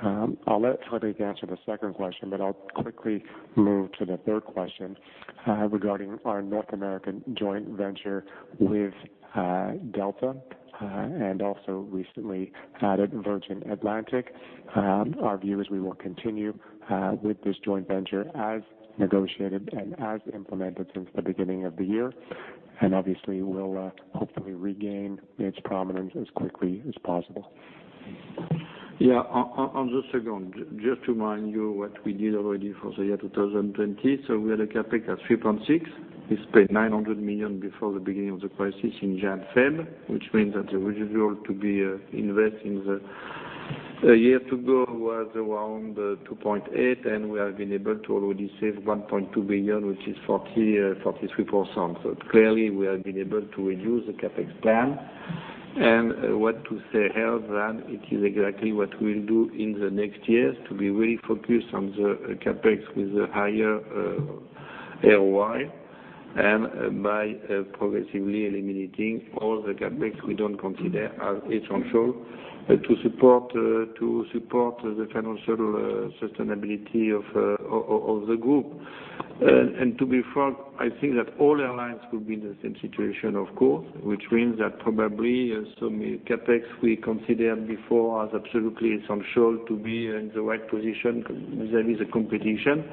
I'll let Frédéric answer the second question, but I'll quickly move to the third question regarding our North American joint venture with Delta, and also recently added Virgin Atlantic. Our view is we will continue with this joint venture as negotiated and as implemented since the beginning of the year, and obviously we'll hopefully regain its prominence as quickly as possible. On the second, just to remind you what we did already for the year 2020. We had a CapEx at 3.6. We spent 900 million before the beginning of the crisis in Jan/Feb, which means that the residual to be invest in the year to go was around 2.8, and we have been able to already save 1.2 billion, which is 43%. Clearly, we have been able to reduce the CapEx plan. What to say here, Ben, it is exactly what we'll do in the next years, to be really focused on the CapEx with the higher ROI, by progressively eliminating all the CapEx we don't consider as essential to support the financial sustainability of the group. To be frank, I think that all airlines will be in the same situation, of course, which means that probably some CapEx we considered before as absolutely essential to be in the right position, there is a competition,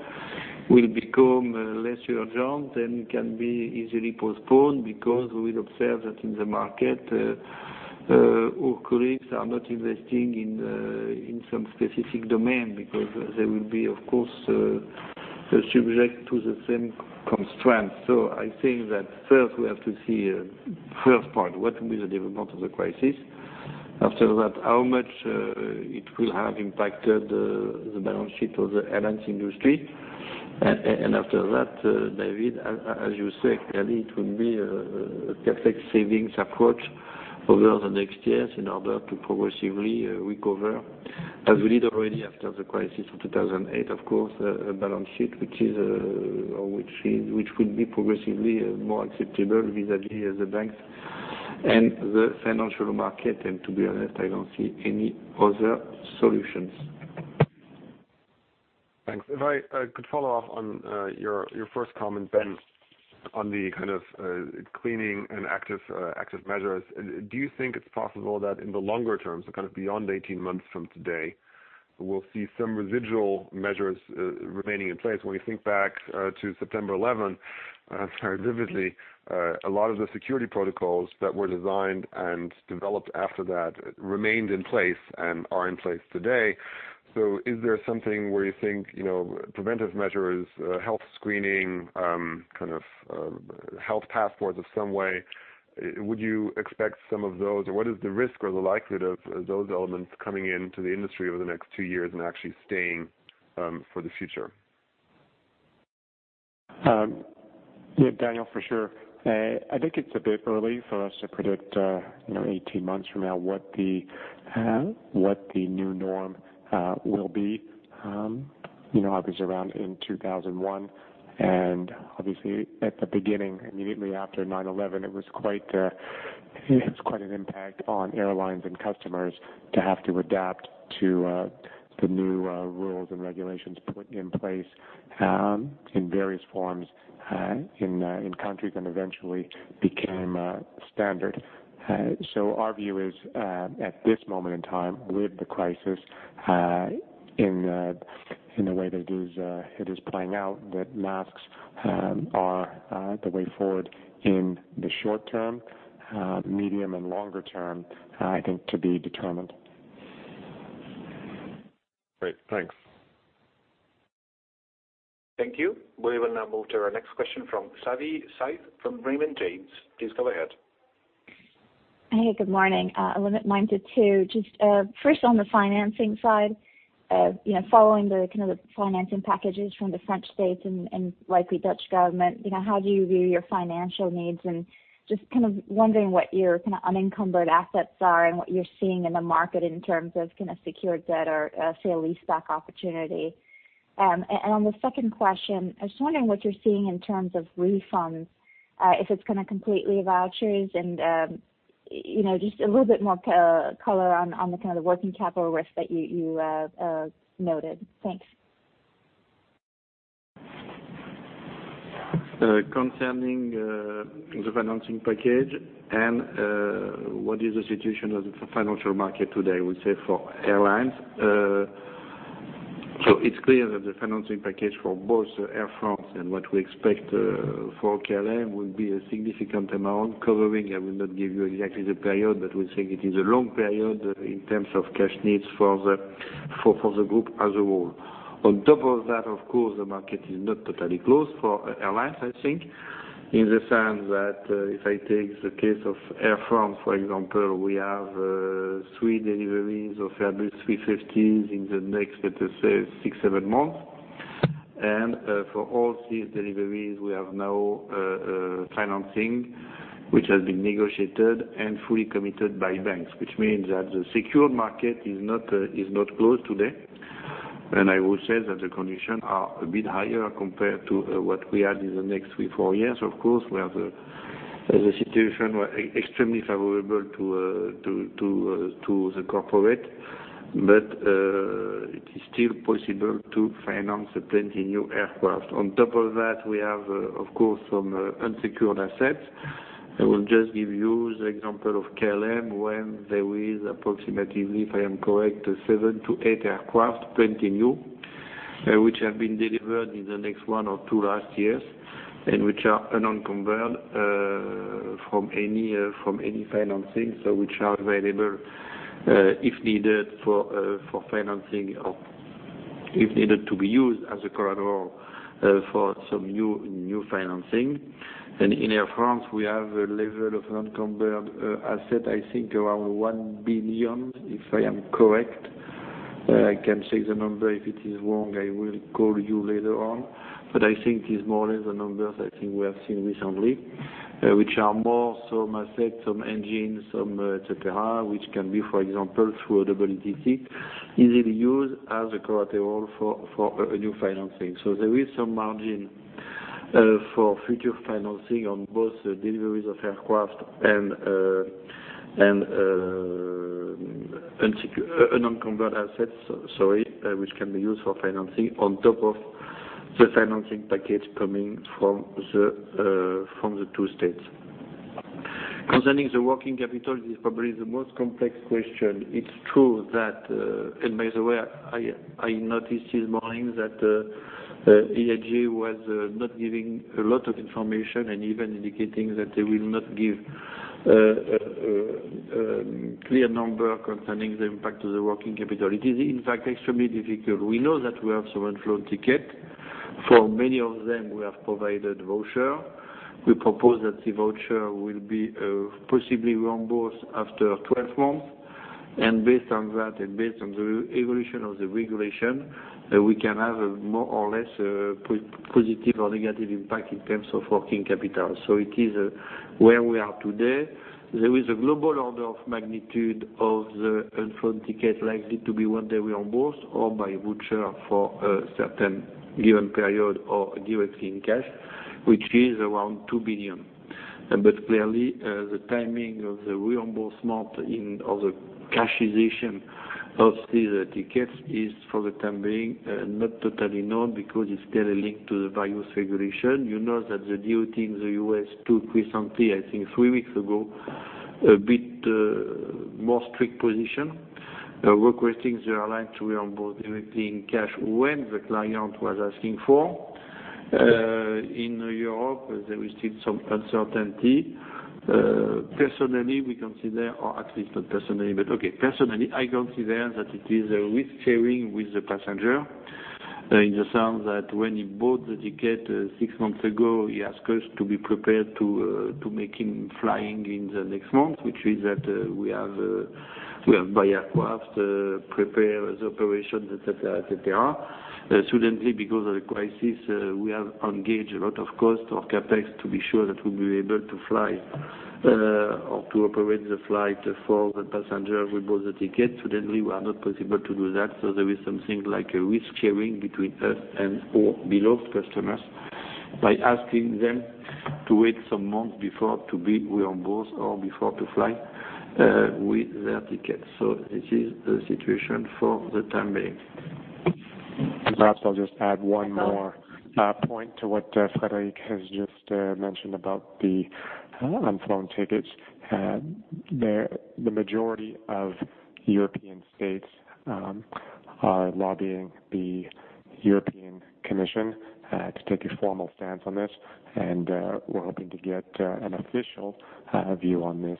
will become less urgent and can be easily postponed because we will observe that in the market, our colleagues are not investing in some specific domain because they will be, of course, subject to the same constraints. I think that first we have to see, first point, what will be the development of the crisis. After that, how much it will have impacted the balance sheet of the airlines industry. After that, David, as you say, clearly, it will be a CapEx savings approach over the next years in order to progressively recover, as we did already after the crisis of 2008, of course, a balance sheet which will be progressively more acceptable vis-à-vis the banks and the financial market. To be honest, I don't see any other solutions. Thanks. If I could follow up on your first comment, Ben, on the cleaning and active measures, do you think it's possible that in the longer term, so beyond 18 months from today, we will see some residual measures remaining in place? When we think back to September 11th very vividly, a lot of the security protocols that were designed and developed after that remained in place and are in place today. Is there something where you think preventive measures, health screening, health passports of some way, would you expect some of those? What is the risk or the likelihood of those elements coming into the industry over the next two years and actually staying for the future? Yeah, Daniel, for sure. I think it's a bit early for us to predict, 18 months from now, what the new norm will be. I was around in 2001, and obviously at the beginning, immediately after 9/11, it was quite an impact on airlines and customers to have to adapt to the new rules and regulations put in place in various forms, in countries, and eventually became standard. Our view is, at this moment in time with the crisis, in the way that it is playing out, that masks are the way forward in the short term. Medium and longer term, I think to be determined. Great. Thanks. Thank you. We will now move to our next question from Savanthi Syth from Raymond James. Please go ahead. Hey, good morning. A little bit mine too. First, on the financing side, following the kind of the financing packages from the French state and likely Dutch government, how do you view your financial needs? Just kind of wondering what your unencumbered assets are and what you're seeing in the market in terms of secured debt or, say, a lease-back opportunity. On the second question, I was just wondering what you're seeing in terms of refunds, if it's going to completely vouchers and just a little bit more color on the kind of the working capital risk that you noted. Thanks. Concerning the financing package and what is the situation of the financial market today, I would say for airlines. It's clear that the financing package for both Air France and what we expect for KLM will be a significant amount covering, I will not give you exactly the period, but we think it is a long period in terms of cash needs for the group as a whole. On top of that, of course, the market is not totally closed for airlines, I think, in the sense that if I take the case of Air France, for example, we have three deliveries of Airbus A350s in the next, let us say, six, seven months. For all these deliveries, we have now financing, which has been negotiated and fully committed by banks. Which means that the secured market is not closed today. I will say that the conditions are a bit higher compared to what we had in the next three, four years. Of course, where the situation was extremely favorable to the corporate, but it is still possible to finance plenty new aircraft. On top of that, we have, of course, some unsecured assets. I will just give you the example of KLM, where there is approximately, if I am correct, seven to eight aircraft, plenty new, which have been delivered in the next one or two last years, and which are unencumbered from any financing. Which are available, if needed, to be used as a corridor for some new financing. In Air France, we have a level of unencumbered asset, I think around 1 billion, if I am correct. I can check the number. If it is wrong, I will call you later on. I think it is more or less the numbers I think we have seen recently, which are more some assets, some engines, some et cetera, which can be, for example, through a EETC, easily used as a collateral for a new financing. There is some margin for future financing on both deliveries of aircraft and unencumbered assets, sorry, which can be used for financing on top of the financing package coming from the two states. Concerning the working capital, this is probably the most complex question. It's true that, and by the way, I noticed this morning that IAG was not giving a lot of information and even indicating that they will not give a clear number concerning the impact of the working capital. It is, in fact, extremely difficult. We know that we have some unfunded ticket. For many of them, we have provided voucher. We propose that the voucher will be possibly reimbursed after 12 months. Based on that and based on the evolution of the regulation, we can have a more or less positive or negative impact in terms of working capital. It is where we are today. There is a global order of magnitude of the unfunded ticket likely to be one day reimbursed or by voucher for a certain given period or directly in cash, which is around 2 billion. Clearly, the timing of the reimbursement in, or the cashization of these tickets is for the time being not totally known because it's still linked to the various regulation. You know that the DOT in the U.S. took recently, I think three weeks ago, a bit more strict position, requesting the airline to reimburse directly in cash when the client was asking for. In Europe, there is still some uncertainty. Personally, I consider that it is a risk sharing with the passenger. In the sense that when you bought the ticket six months ago, you asked us to be prepared to make flying in the next month, which is that we have to buy aircraft, prepare the operation, et cetera. Suddenly, because of the crisis, we have engaged a lot of cost of CapEx to be sure that we'll be able to fly or to operate the flight for the passenger who bought the ticket. Suddenly, we are not possible to do that, there is something like a risk sharing between us and/or beloved customers by asking them to wait some months before to be reimbursed or before to fly with their ticket. It is the situation for the time being. Perhaps I'll just add one more point to what Frédéric has just mentioned about the unflown tickets. The majority of European states are lobbying the European Commission to take a formal stance on this, and we're hoping to get an official view on this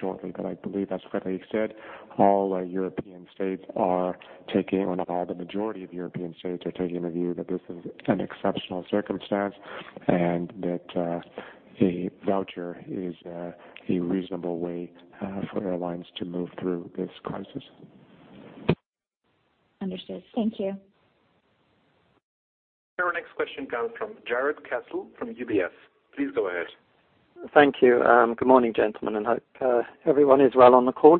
shortly. I believe, as Frédéric said, all European states are taking, or not all, the majority of European states are taking the view that this is an exceptional circumstance and that a voucher is a reasonable way for airlines to move through this crisis. Understood. Thank you. Our next question comes from Jarrod Castle from UBS. Please go ahead. Thank you. Good morning, gentlemen, and hope everyone is well on the call.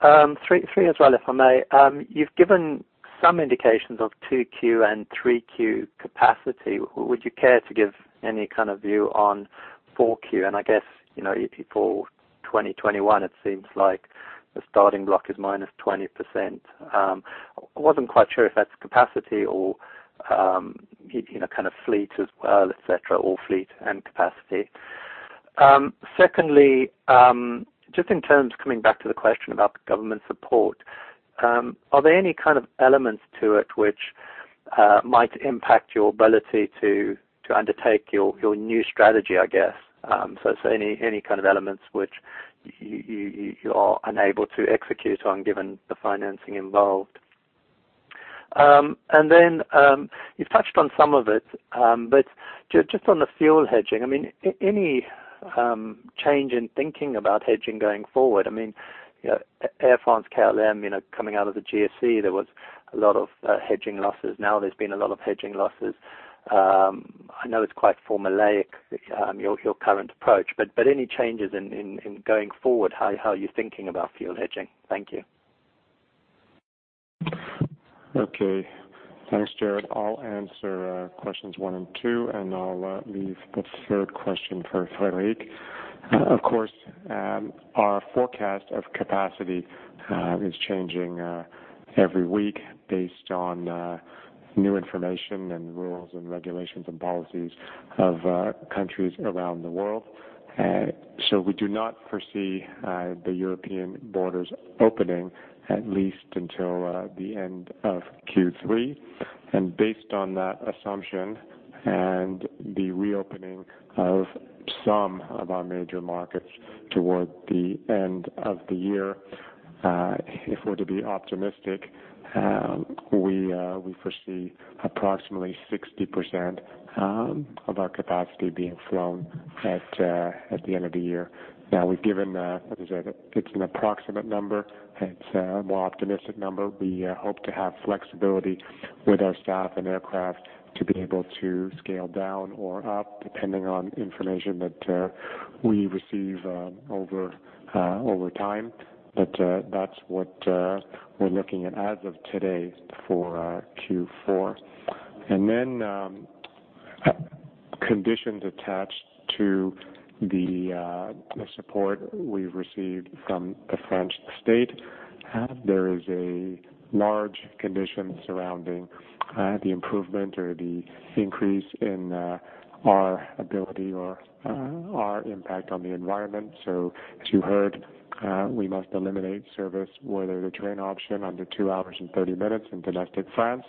Three as well, if I may. You've given some indications of two Q and three Q capacity. Would you care to give any kind of view on four Q? I guess, if you pull 2021, it seems like the starting block is -20%. I wasn't quite sure if that's capacity or fleet as well, et cetera, or fleet and capacity. Secondly, just in terms, coming back to the question about government support, are there any kind of elements to it which might impact your ability to undertake your new strategy, I guess? Any kind of elements which you are unable to execute on given the financing involved? You've touched on some of it, but just on the fuel hedging, any change in thinking about hedging going forward? Air France-KLM, coming out of the GFC, there was a lot of hedging losses. Now there's been a lot of hedging losses. I know it's quite formulaic, your current approach, but any changes in going forward, how you're thinking about fuel hedging? Thank you. Okay. Thanks, Jarrod. I'll answer questions one and two, and I'll leave the third question for Frédéric. Of course, our forecast of capacity is changing every week based on new information and rules and regulations and policies of countries around the world. We do not foresee the European borders opening at least until the end of Q3. Based on that assumption and the reopening of some of our major markets toward the end of the year, if we're to be optimistic, we foresee approximately 60% of our capacity being flown at the end of the year. Now, we've given, as I said, it's an approximate number. It's a more optimistic number. We hope to have flexibility with our staff and aircraft to be able to scale down or up, depending on information that we receive over time. That's what we're looking at as of today for Q4. Conditions attached to the support we've received from the French state. There is a large condition surrounding the improvement or the increase in our ability or our impact on the environment. As you heard, we must eliminate service where there's a train option under two hours and 30 minutes in domestic France.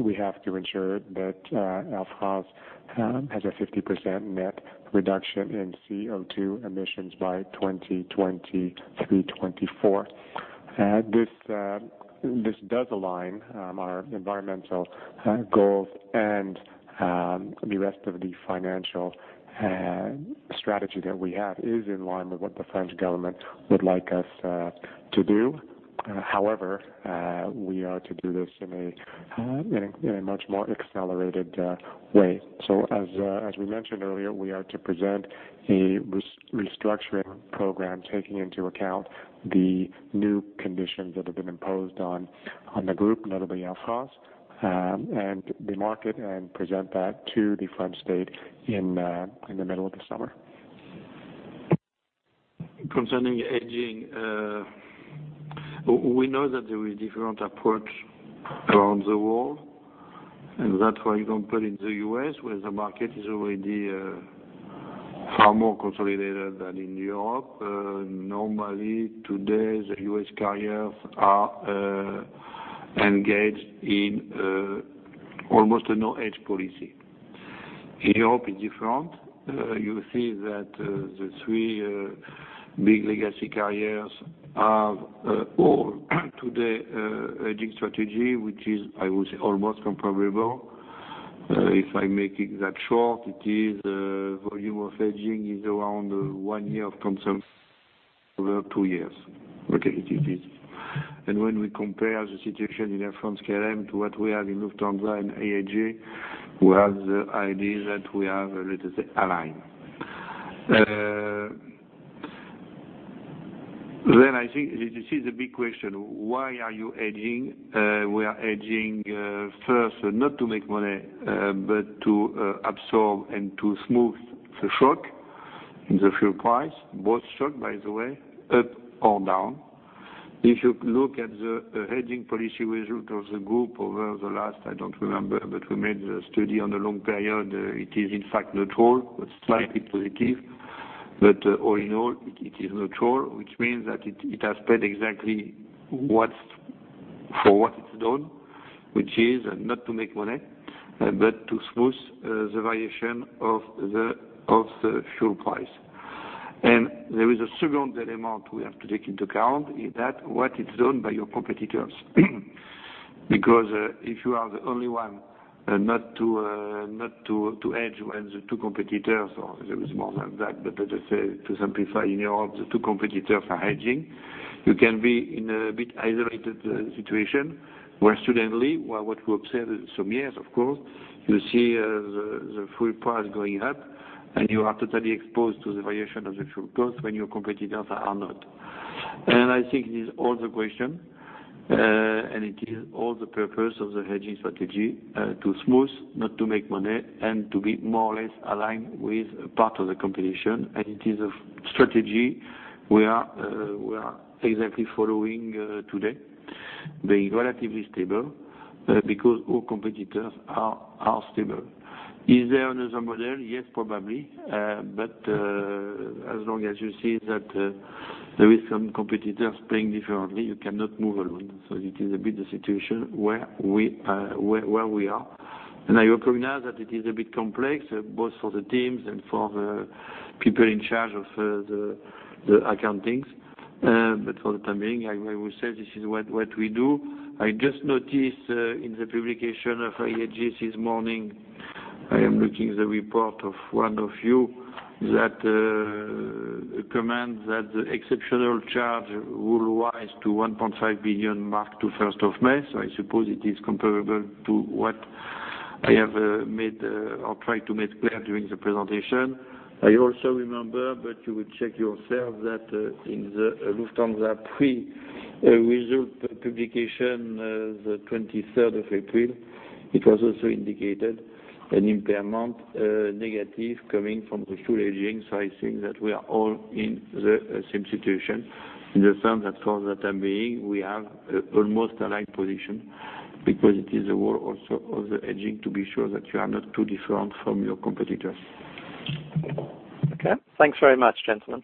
We have to ensure that Air France has a 50% net reduction in CO2 emissions by 2023, 2024. This does align our environmental goals and the rest of the financial strategy that we have is in line with what the French government would like us to do. However, we are to do this in a much more accelerated way. As we mentioned earlier, we are to present a restructuring program, taking into account the new conditions that have been imposed on the group, notably Air France, and the market, and present that to the French state in the middle of the summer. Concerning hedging, we know that there is different approach around the world, and that's why, for example, in the U.S., where the market is already far more consolidated than in Europe, normally today, the U.S. carriers are engaged in almost a no-hedge policy. Europe is different. You see that the three big legacy carriers have all, today, hedging strategy, which is, I would say, almost comparable. If I make it that short, it is volume of hedging is around one year of consumption over two years. Okay, it is easy. When we compare the situation in Air France-KLM to what we have in Lufthansa and IAG, we have the idea that we have, let us say, aligned. I think this is the big question, why are you hedging? We are hedging, first, not to make money, but to absorb and to smooth the shock in the fuel price. Both shock, by the way, up or down. If you look at the hedging policy result of the group over the last, I don't remember, but we made the study on the long period, it is in fact neutral, but slightly positive. All in all, it is neutral, which means that it has paid exactly for what it's done, which is not to make money, but to smooth the variation of the fuel price. There is a second element we have to take into account, is that what it's done by your competitors. Because if you are the only one not to hedge when the two competitors, or there is more than that, but as I say, to simplify, in all the two competitors are hedging, you can be in a bit isolated situation where suddenly, what we observed in some years, of course, you see the fuel price going up, and you are totally exposed to the variation of the fuel cost when your competitors are not. It is all the question, and it is all the purpose of the hedging strategy, to smooth, not to make money, and to be more or less aligned with part of the competition. It is a strategy we are exactly following today, being relatively stable because all competitors are stable. Is there another model? Yes, probably. As long as you see that there is some competitors playing differently, you cannot move alone. it is a bit the situation where we are. I recognize that it is a bit complex, both for the teams and for the people in charge of the accountings. for the time being, I will say this is what we do. I just noticed in the publication of IAG this morning, I am looking the report of one of you that comments that the exceptional charge will rise to 1.5 billion marked to 1st of May, so I suppose it is comparable to what I have made, or tried to make clear during the presentation. I also remember, but you will check yourself, that in the Lufthansa pre-result publication, the 23rd of April, it was also indicated an impairment negative coming from the fuel hedging. I think that we are all in the same situation in the sense that, for the time being, we have almost aligned position because it is the world also of the hedging to be sure that you are not too different from your competitors. Okay. Thanks very much, gentlemen.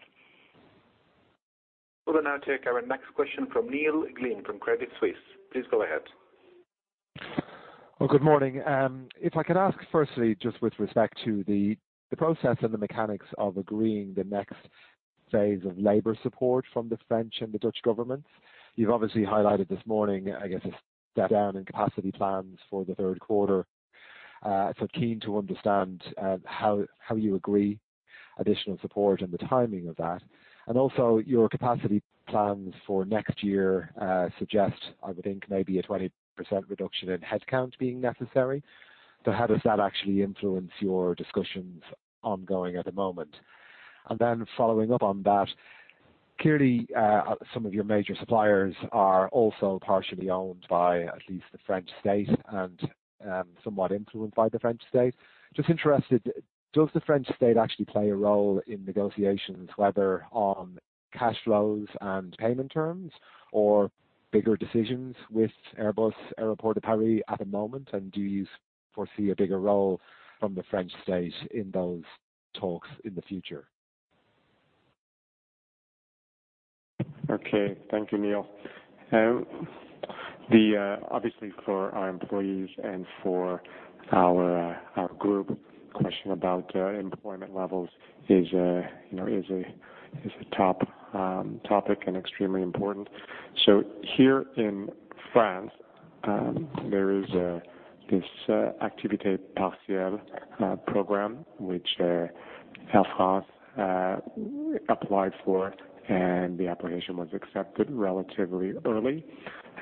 We'll now take our next question from Neil Glynn from Credit Suisse. Please go ahead. Well, good morning. If I could ask firstly just with respect to the process and the mechanics of agreeing the next phase of labor support from the French and the Dutch governments. You've obviously highlighted this morning, I guess, a step down in capacity plans for the third quarter. Keen to understand how you agree additional support and the timing of that. Also, your capacity plans for next year suggest, I would think, maybe a 20% reduction in headcount being necessary. How does that actually influence your discussions ongoing at the moment? Then following up on that, clearly, some of your major suppliers are also partially owned by at least the French state and somewhat influenced by the French state. Just interested, does the French state actually play a role in negotiations, whether on cash flows and payment terms or bigger decisions with Airbus, Aéroports de Paris at the moment? Do you foresee a bigger role from the French state in those talks in the future? Okay. Thank you, Neil. Obviously, for our employees and for our group, question about employment levels is a top topic and extremely important. Here in France, there is this activité partielle program, which Air France applied for, and the application was accepted relatively early.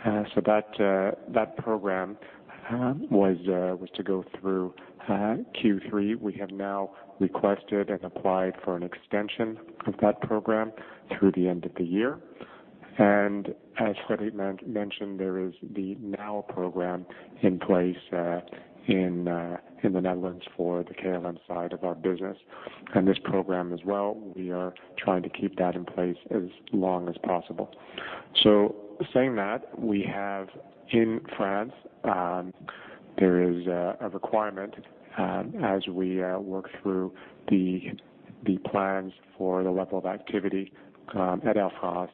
That program was to go through Q3. We have now requested and applied for an extension of that program through the end of the year. As Frédéric mentioned, there is the NOW program in place in the Netherlands for the KLM side of our business. This program as well, we are trying to keep that in place as long as possible. Saying that, we have, in France, there is a requirement as we work through the plans for the level of activity at Air France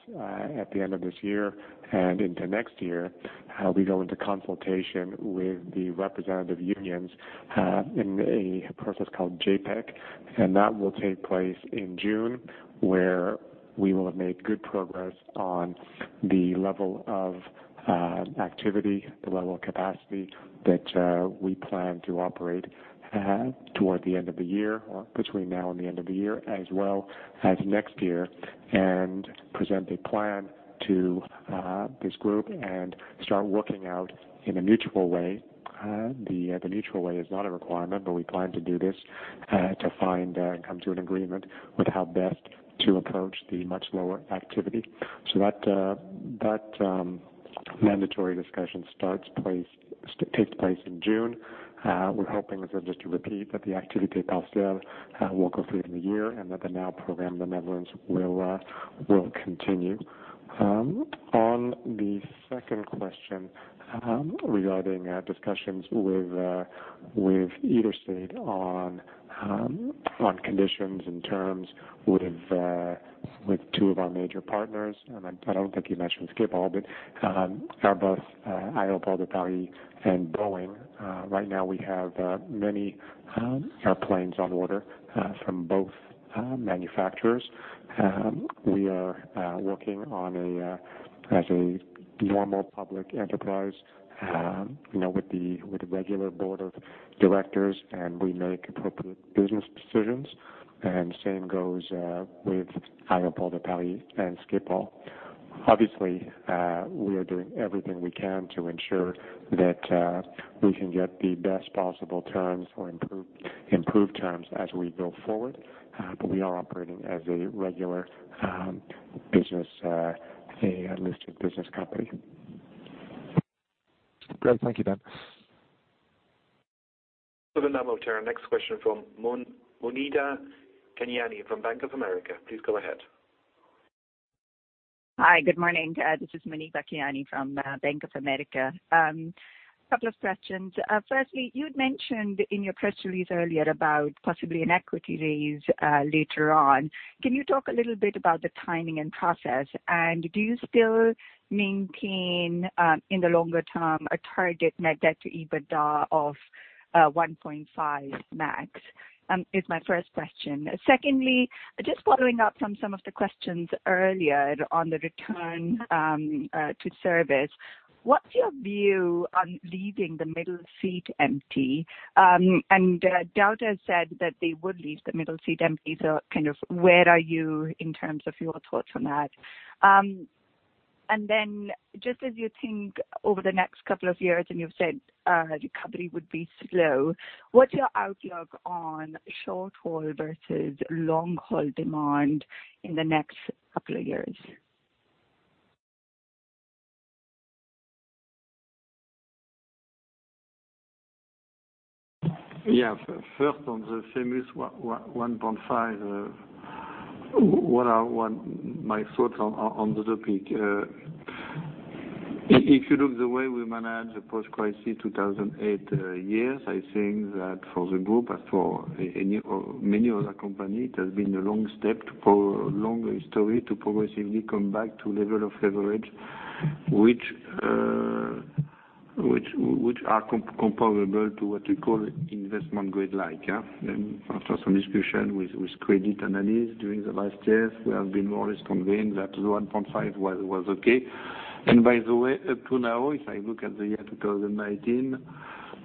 at the end of this year and into next year, we go into consultation with the representative unions, in a process called JPEC, and that will take place in June, where we will have made good progress on the level of activity, the level of capacity that we plan to operate toward the end of the year or between now and the end of the year, as well as next year, and present a plan to this group and start working out in a mutual way. The mutual way is not a requirement, but we plan to do this to find and come to an agreement with how best to approach the much lower activity. That mandatory discussion takes place in June. We're hoping, just to repeat, that the activity at KLM will complete in a year and that the NOW program in the Netherlands will continue. On the second question, regarding discussions with Interstate on conditions and terms with two of our major partners, and I don't think you mentioned Schiphol, but are both Aéroports de Paris and Boeing. Right now, we have many airplanes on order from both manufacturers. We are working as a normal public enterprise, with a regular board of directors, and we make appropriate business decisions. same goes with Aéroports de Paris and Schiphol. Obviously, we are doing everything we can to ensure that we can get the best possible terms or improved terms as we go forward. we are operating as a regular listed business company. Great. Thank you, Ben. For the next question from Muneeba Kayani from Bank of America. Please go ahead. Hi. Good morning. This is Muneeba Kayani from Bank of America. Couple of questions. Firstly, you'd mentioned in your press release earlier about possibly an equity raise later on. Can you talk a little bit about the timing and process, and do you still maintain, in the longer term, a target net debt to EBITDA of 1.5 max? Is my first question. Secondly, just following up from some of the questions earlier on the return to service. What's your view on leaving the middle seat empty? Delta said that they would leave the middle seat empty. Where are you in terms of your thoughts on that? just as you think over the next couple of years, and you've said recovery would be slow, what's your outlook on short-haul versus long-haul demand in the next couple of years? Yeah. First, on the famous 1.5, what are my thoughts on the topic? If you look the way we managed the post-crisis 2008 years, I think that for the group, as for many other companies, it has been a long step, a long history to progressively come back to level of leverage, which are comparable to what we call investment grade-like. After some discussion with credit analysts during the last years, we have been always convinced that the 1.5 was okay. By the way, up to now, if I look at the year 2019,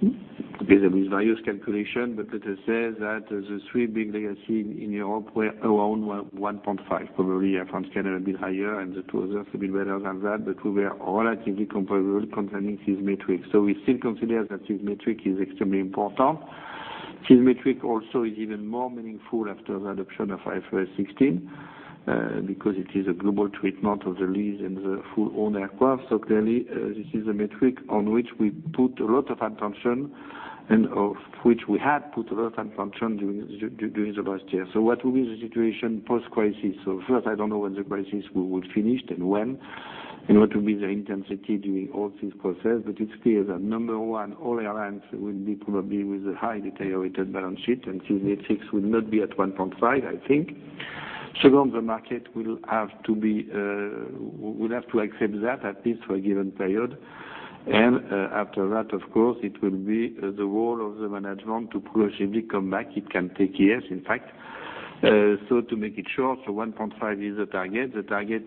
there is various calculation, but let us say that the three big legacies in Europe were around 1.5. Probably Air France was a bit higher and the two others a bit better than that, but we were relatively comparable concerning this metric. We still consider that this metric is extremely important. This metric also is even more meaningful after the adoption of IFRS 16, because it is a global treatment of the lease and the full-owned aircraft. Clearly, this is a metric on which we put a lot of attention and of which we had put a lot of attention during the last year. What will be the situation post-crisis? First, I don't know when the crisis will finish and when, and what will be the intensity during all this process. It's clear that, number one, all airlines will be probably with a high deteriorated balance sheet, and these metrics will not be at 1.5, I think. Second, the market will have to accept that, at least for a given period. After that, of course, it will be the role of the management to progressively come back. It can take years, in fact. To make it short, so 1.5 is the target. The target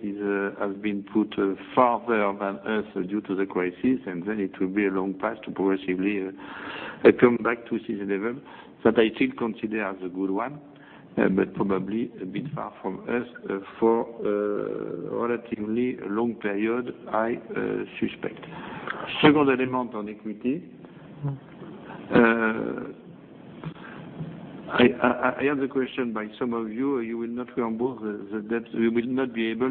has been put farther than us due to the crisis, and then it will be a long path to progressively come back to a certain level that I still consider as a good one, but probably a bit far from us for a relatively long period, I suspect. Second element on equity. I heard the question by some of you will not be able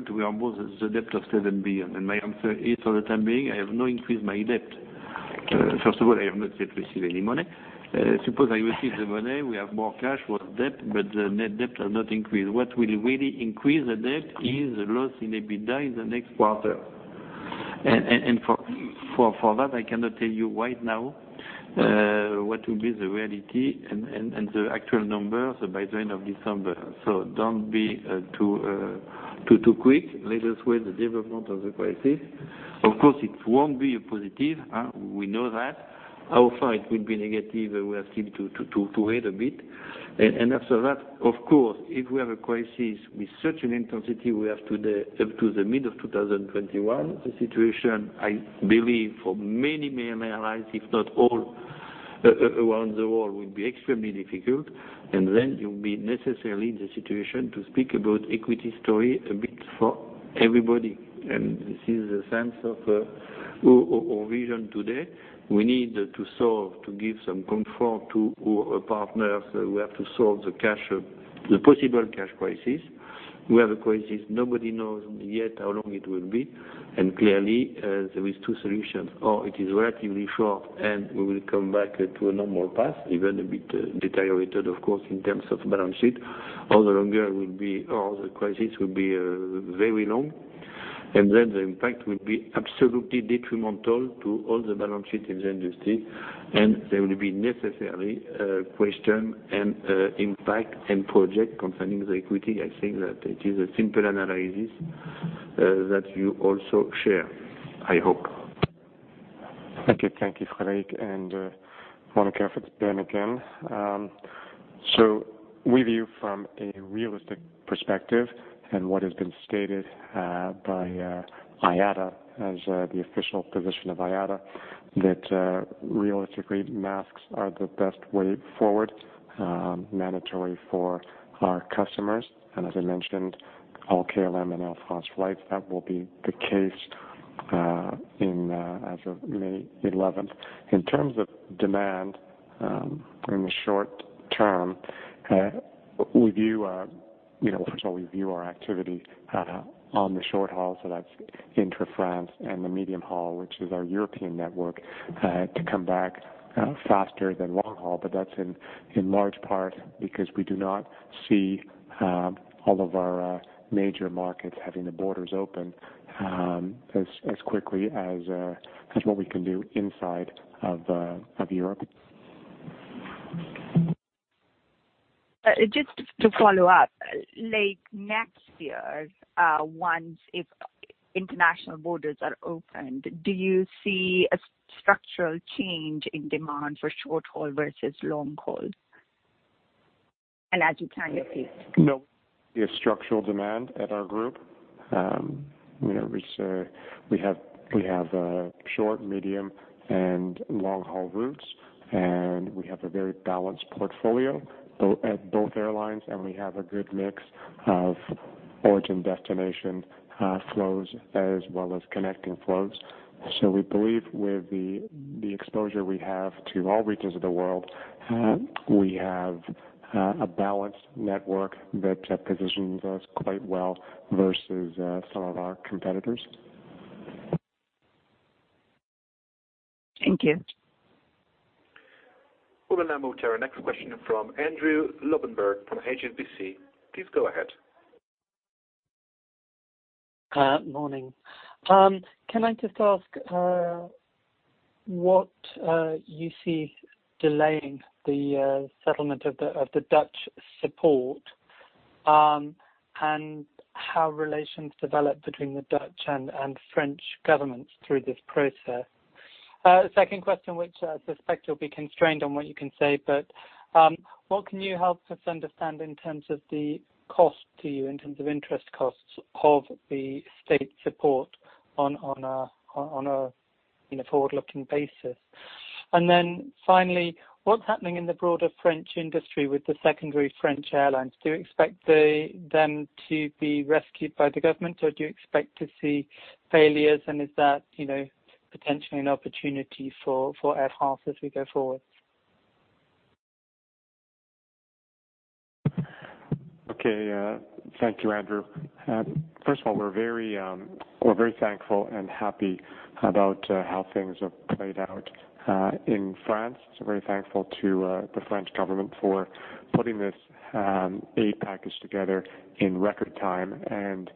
to reimburse the debt of 7 billion. My answer is, for the time being, I have not increased my debt. First of all, I have not yet received any money. Suppose I receive the money, we have more cash for debt, but the net debt has not increased. What will really increase the debt is the loss in EBITDA in the next quarter. For that, I cannot tell you right now what will be the reality and the actual numbers by the end of December. Don't be too quick. Let us wait the development of the crisis. Of course, it won't be positive. We know that. How far it will be negative, we have still to wait a bit. After that, of course, if we have a crisis with such an intensity, we have up to the middle of 2021, the situation, I believe for many, many airlines, if not all around the world, will be extremely difficult. You'll be necessarily in the situation to speak about equity story a bit for everybody. This is the sense of our vision today. We need to solve, to give some comfort to our partners. We have to solve the possible cash crisis. We have a crisis. Nobody knows yet how long it will be, and clearly, there is two solutions. It is relatively short, and we will come back to a normal path, even a bit deteriorated, of course, in terms of balance sheet. The crisis will be very long, and then the impact will be absolutely detrimental to all the balance sheets in the industry, and there will be necessarily a question and impact and project concerning the equity. I think that it is a simple analysis that you also share, I hope. Okay. Thank you, Frédéric. Benoit, if it's you again. We view from a realistic perspective and what has been stated by IATA as the official position of IATA, that realistically, masks are the best way forward, mandatory for our customers. As I mentioned, all KLM and Air France flights, that will be the case as of May 11th. In terms of demand in the short term, first of all, we view our activity on the short haul, so that's intra France and the medium haul, which is our European network, to come back faster than long haul. That's in large part because we do not see all of our major markets having the borders open as quickly as what we can do inside of Europe. Just to follow up, late next year, once international borders are opened, do you see a structural change in demand for short haul versus long haul? as you plan your fleet. No. There is structure demand at our group. We have short, medium, and long-haul routes, and we have a very balanced portfolio at both airlines, and we have a good mix of origin destination flows as well as connecting flows. We believe with the exposure we have to all regions of the world, we have a balanced network that positions us quite well versus some of our competitors. Thank you. We will now go to our next question from Andrew Lobbenberg from HSBC. Please go ahead. Morning. Can I just ask what you see delaying the settlement of the Dutch support and how relations developed between the Dutch and French governments through this process? Second question, which I suspect you'll be constrained on what you can say, but what can you help us understand in terms of the cost to you, in terms of interest costs of the state support on a forward-looking basis? finally, what's happening in the broader French industry with the secondary French airlines? Do you expect them to be rescued by the government, or do you expect to see failures, and is that potentially an opportunity for Air France as we go forward? Okay. Thank you, Andrew. First of all, we're very thankful and happy about how things have played out in France. Very thankful to the French government for putting this aid package together in record time and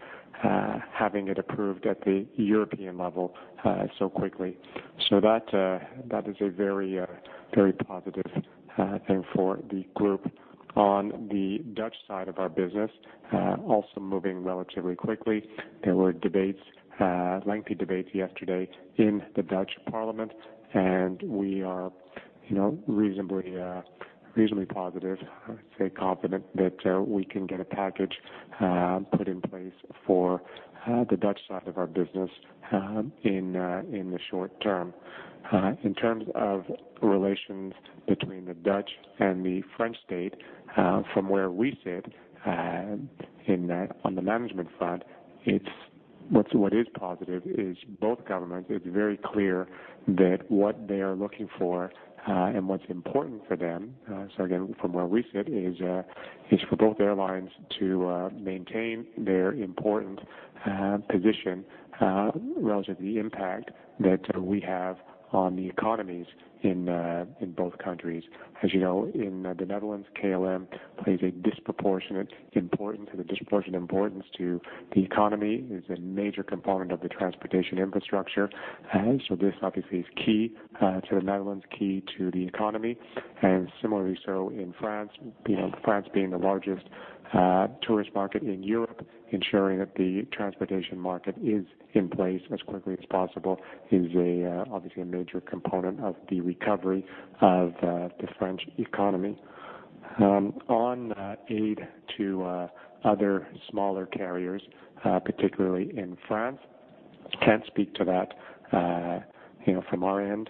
having it approved at the European level so quickly. That is a very positive thing for the group. On the Dutch side of our business, also moving relatively quickly. There were debates, lengthy debates yesterday in the Dutch parliament, and we are reasonably positive, I would say confident, that we can get a package put in place for the Dutch side of our business in the short term. In terms of relations between the Dutch and the French state, from where we sit on the management front, it's. What is positive is both governments, it's very clear that what they are looking for, and what's important for them, so again, from where we sit, is for both airlines to maintain their important position relative to the impact that we have on the economies in both countries. As you know, in the Netherlands, KLM plays a disproportionate importance to the economy, is a major component of the transportation infrastructure. This obviously is key to the Netherlands, key to the economy. Similarly so in France being the largest tourist market in Europe, ensuring that the transportation market is in place as quickly as possible is obviously a major component of the recovery of the French economy. On aid to other smaller carriers, particularly in France, can't speak to that. From our end,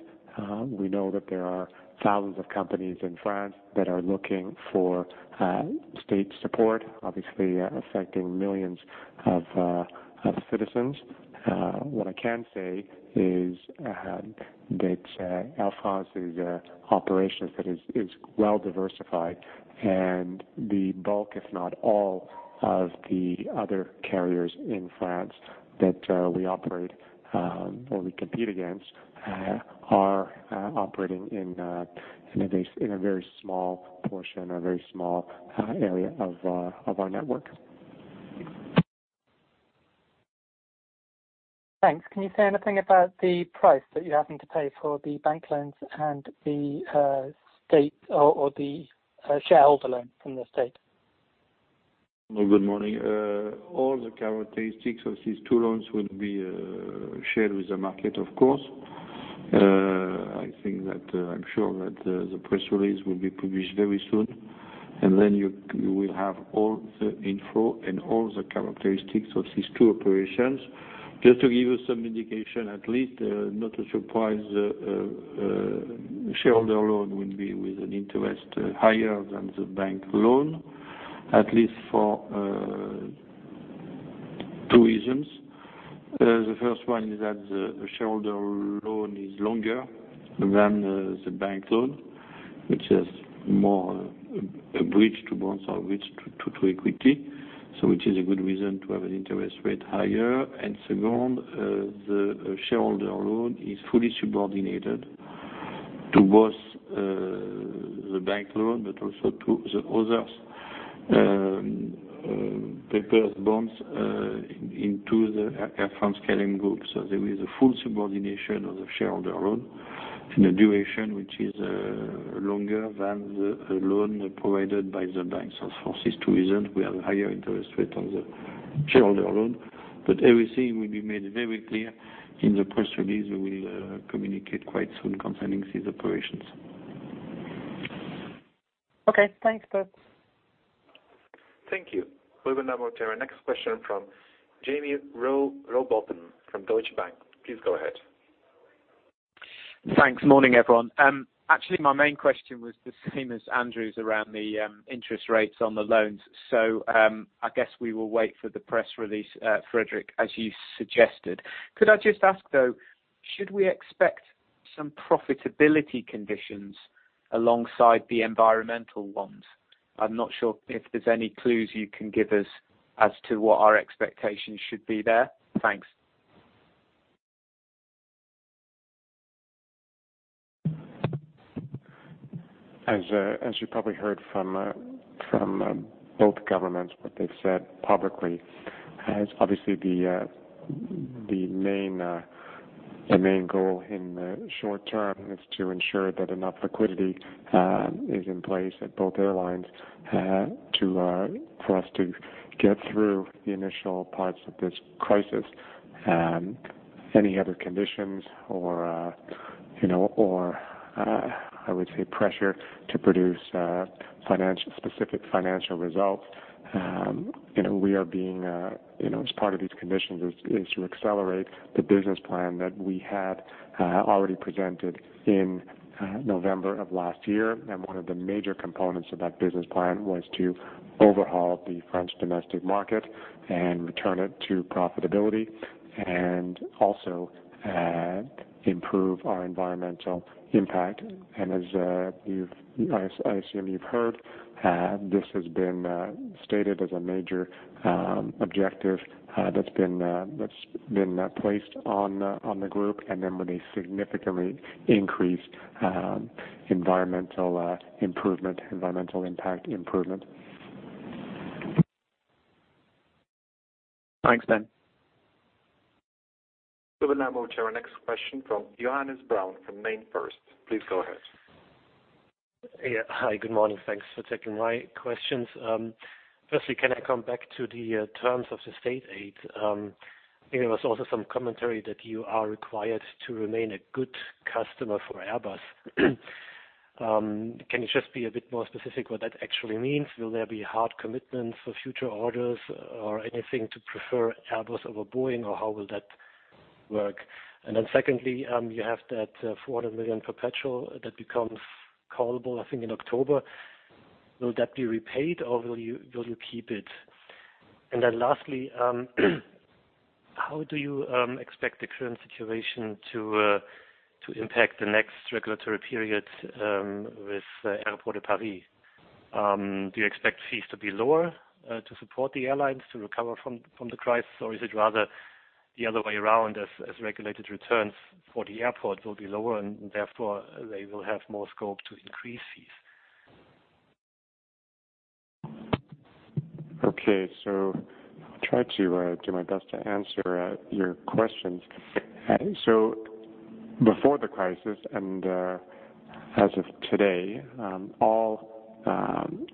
we know that there are thousands of companies in France that are looking for state support, obviously affecting millions of citizens. What I can say is that Air France is a operation that is well diversified and the bulk, if not all of the other carriers in France that we operate, or we compete against, are operating in a very small portion, a very small area of our network. Thanks. Can you say anything about the price that you're having to pay for the bank loans and the shareholder loan from the state? Good morning. All the characteristics of these two loans will be shared with the market, of course. I'm sure that the press release will be published very soon, and then you will have all the info and all the characteristics of these two operations. Just to give you some indication at least, not a surprise, shareholder loan will be with an interest higher than the bank loan, at least for two reasons. The first one is that the shareholder loan is longer than the bank loan, which has more a bridge to bonds or bridge to equity. Which is a good reason to have an interest rate higher. Second, the shareholder loan is fully subordinated to both the bank loan, but also to the others, papers, bonds, into the Air France-KLM group. There is a full subordination of the shareholder loan in a duration which is longer than the loan provided by the banks. for these two reasons, we have higher interest rate on the shareholder loan. everything will be made very clear in the press release we will communicate quite soon concerning these operations. Okay. Thanks both. Thank you. We will now move to our next question from Jaime Rowbotham from Deutsche Bank. Please go ahead. Thanks. Morning, everyone. Actually, my main question was the same as Andrew's around the interest rates on the loans. I guess we will wait for the press release, Frédéric, as you suggested. Could I just ask though, should we expect some profitability conditions alongside the environmental ones? I'm not sure if there's any clues you can give us as to what our expectations should be there. Thanks. As you probably heard from both governments, what they've said publicly, obviously the main goal in the short term is to ensure that enough liquidity is in place at both airlines for us to get through the initial parts of this crisis. Any other conditions or I would say pressure to produce specific financial results. As part of these conditions is to accelerate the business plan that we had already presented in November of last year, and one of the major components of that business plan was to overhaul the French domestic market and return it to profitability, and also improve our environmental impact. As I assume you've heard, this has been stated as a major objective that's been placed on the group, and then with a significantly increased environmental impact improvement. Thanks Ben. We will now move to our next question from Johannes Braun from MainFirst. Please go ahead. Yeah. Hi, good morning. Thanks for taking my questions. Firstly, can I come back to the terms of the state aid? There was also some commentary that you are required to remain a good customer for Airbus. Can you just be a bit more specific what that actually means? Will there be hard commitments for future orders or anything to prefer Airbus over Boeing, or how will that work? Secondly, you have that 400 million perpetual that becomes callable, I think, in October. Will that be repaid or will you keep it? Lastly, how do you expect the current situation to impact the next regulatory period with Aéroports de Paris? Do you expect fees to be lower to support the airlines to recover from the crisis? Is it rather the other way around as regulated returns for the airport will be lower and therefore they will have more scope to increase fees? Okay. I'll try to do my best to answer your questions. Before the crisis and as of today, all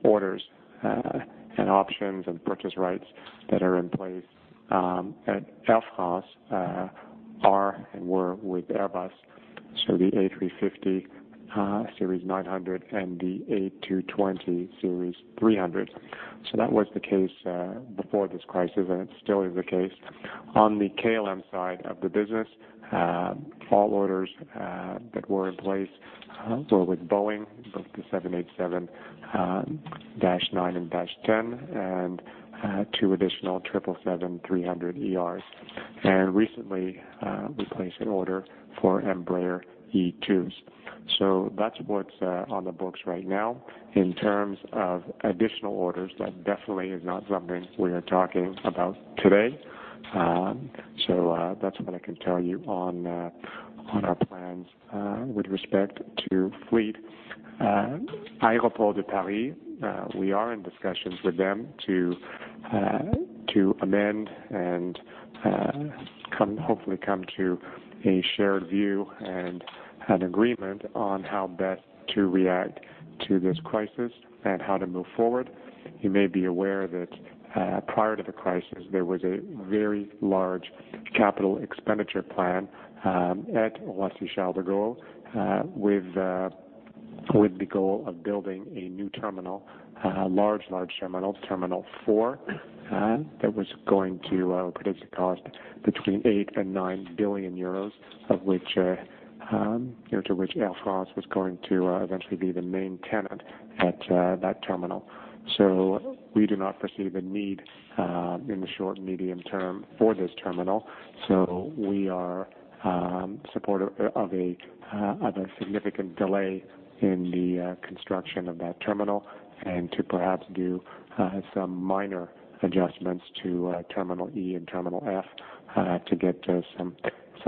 orders and options and purchase rights that are in place at Air France are and were with Airbus, so the A350 series 900 and the A220 series 300. That was the case before this crisis, and it still is the case. On the KLM side of the business, all orders that were in place were with Boeing, both the 787-9 and -10, and two additional 777-300ERs. Recently, we placed an order for Embraer E2s. That's what's on the books right now. In terms of additional orders, that definitely is not something we are talking about today. That's what I can tell you on our plans with respect to fleet. Aéroports de Paris, we are in discussions with them to amend and hopefully come to a shared view and an agreement on how best to react to this crisis and how to move forward. You may be aware that prior to the crisis, there was a very large capital expenditure plan at Roissy Charles de Gaulle with the goal of building a new terminal, a large terminal, Terminal 4, that was going to potentially cost between eight and nine billion EUR, to which Air France was going to eventually be the main tenant at that terminal. We do not foresee the need in the short and medium term for this terminal. We are supportive of a significant delay in the construction of that terminal and to perhaps do some minor adjustments to Terminal E and Terminal F to get some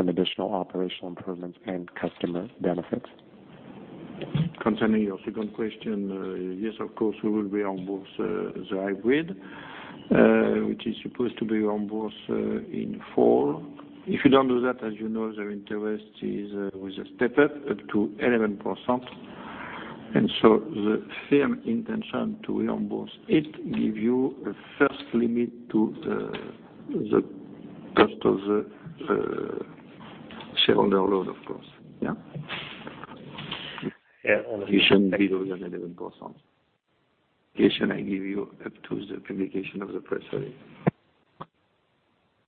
additional operational improvements and customer benefits. Concerning your second question, yes, of course, we will reimburse the hybrid, which is supposed to be reimbursed in fall. If you don't do that, as you know, the interest is with a step up to 11%. The firm intention to reimburse it give you a first limit to the cost of the shareholder loan, of course. Yeah. It shouldn't be more than 11%. Christian, I give you up to the communication of the press release.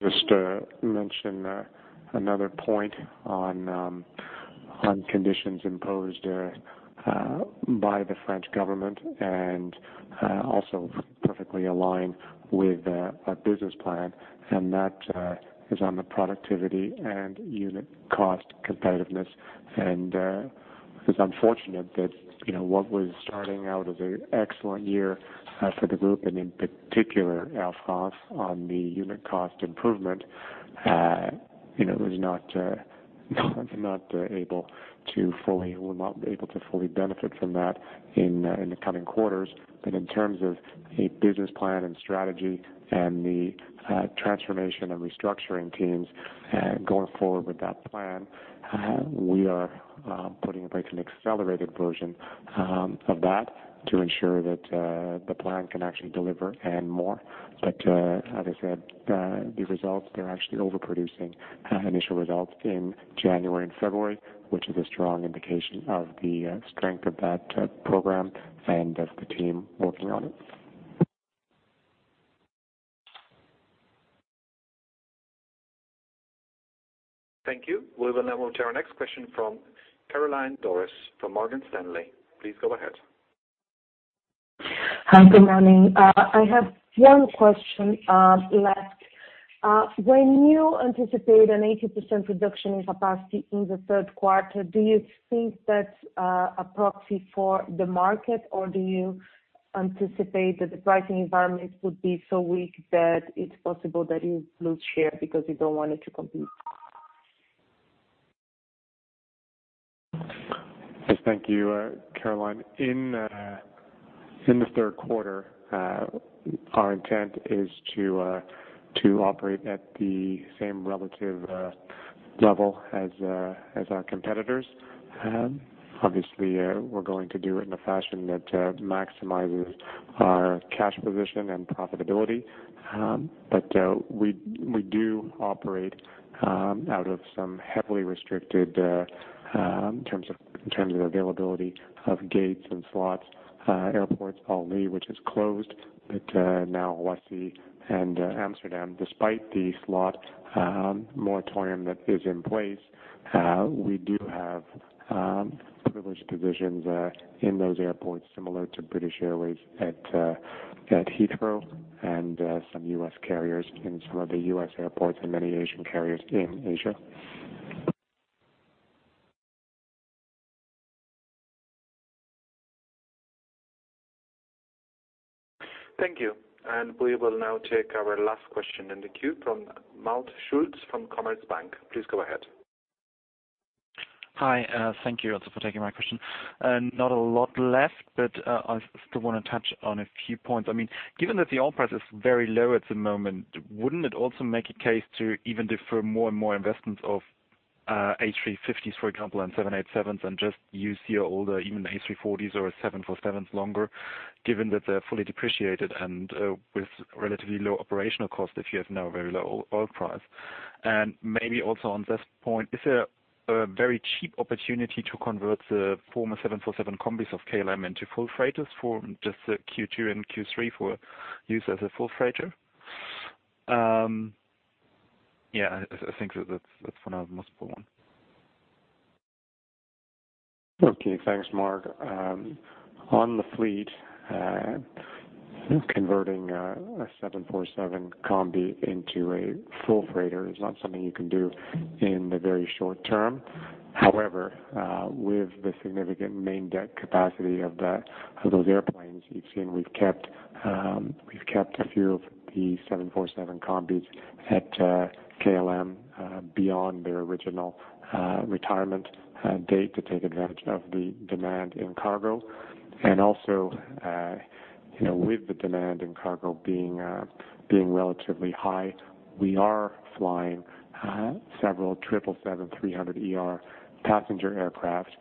Just to mention another point on conditions imposed by the French government and also perfectly aligned with our business plan, and that is on the productivity and unit cost competitiveness. It is unfortunate that what was starting out as an excellent year for the group, and in particular Air France on the unit cost improvement, we will not be able to fully benefit from that in the coming quarters. In terms of a business plan and strategy and the transformation and restructuring teams going forward with that plan, we are putting in place an accelerated version of that to ensure that the plan can actually deliver and more. As I said, the results, they're actually overproducing initial results in January and February, which is a strong indication of the strength of that program and of the team working on it. Thank you. We will now move to our next question from Carolina Dores from Morgan Stanley. Please go ahead. Hi. Good morning. I have one question left. When you anticipate an 80% reduction in capacity in the third quarter, do you think that's a proxy for the market, or do you anticipate that the pricing environment would be so weak that it's possible that you lose share because you don't want it to compete? Yes. Thank you, Carolina. In the third quarter, our intent is to operate at the same relative level as our competitors. Obviously, we're going to do it in a fashion that maximizes our cash position and profitability. We do operate out of some heavily restricted, in terms of availability of gates and slots, airports, Orly, which is closed, but now Roissy and Amsterdam. Despite the slot moratorium that is in place, we do have privileged positions in those airports similar to British Airways at Heathrow and some U.S. carriers in some of the U.S. airports and many Asian carriers in Asia. Thank you. We will now take our last question in the queue from Malte Schulz from Commerzbank. Please go ahead. Hi, thank you also for taking my question. Not a lot left, but I still want to touch on a few points. Given that the oil price is very low at the moment, wouldn't it also make a case to even defer more and more investments of A350s, for example, and 787s and just use your older even A340s or 747s longer, given that they're fully depreciated and with relatively low operational cost if you have now very low oil price? Maybe also on this point, is there a very cheap opportunity to convert the former 747 combis of KLM into full freighters for just the Q2 and Q3 for use as a full freighter? I think that's one of the most important one. Okay, thanks, Mark. On the fleet, converting a 747 combi into a full freighter is not something you can do in the very short term. However, with the significant main deck capacity of those airplanes, you've seen we've kept a few of the 747 combis at KLM beyond their original retirement date to take advantage of the demand in cargo. also, with the demand in cargo being relatively high, we are flying several 777-300ER passenger aircraft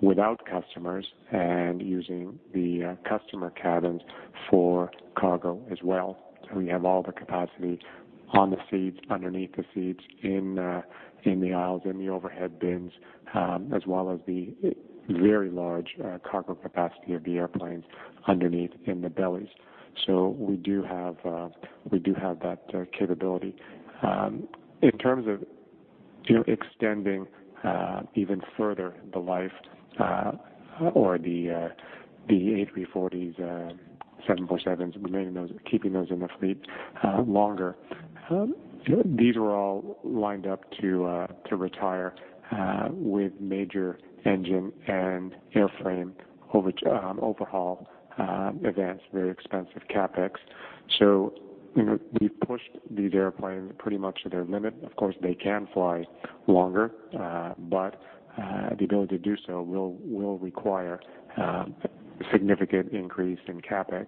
without customers and using the customer cabins for cargo as well. we have all the capacity on the seats, underneath the seats, in the aisles, in the overhead bins, as well as the very large cargo capacity of the airplanes underneath in the bellies. we do have that capability. In terms of extending even further the life or the A340s, 747s, keeping those in the fleet longer, these were all lined up to retire with major engine and airframe overhaul events, very expensive CapEx. We pushed these airplanes pretty much to their limit. Of course, they can fly longer, but the ability to do so will require a significant increase in CapEx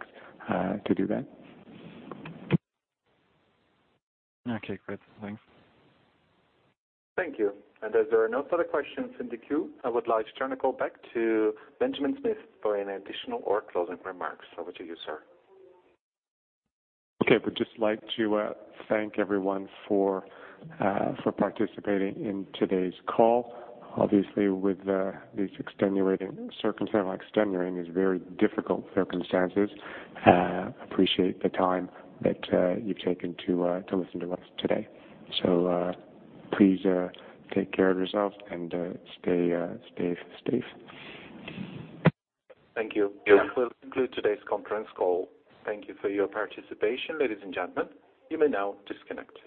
to do that. Okay, great. Thanks. Thank you. As there are no further questions in the queue, I would like to turn the call back to Benjamin Smith for any additional or closing remarks. Over to you, sir. Okay. I would just like to thank everyone for participating in today's call. Obviously, with these extenuating, circumstantial extenuating is very difficult circumstances. Appreciate the time that you've taken to listen to us today. Please take care of yourselves and stay safe. Thank you. That will conclude today's conference call. Thank you for your participation, ladies and gentlemen. You may now disconnect.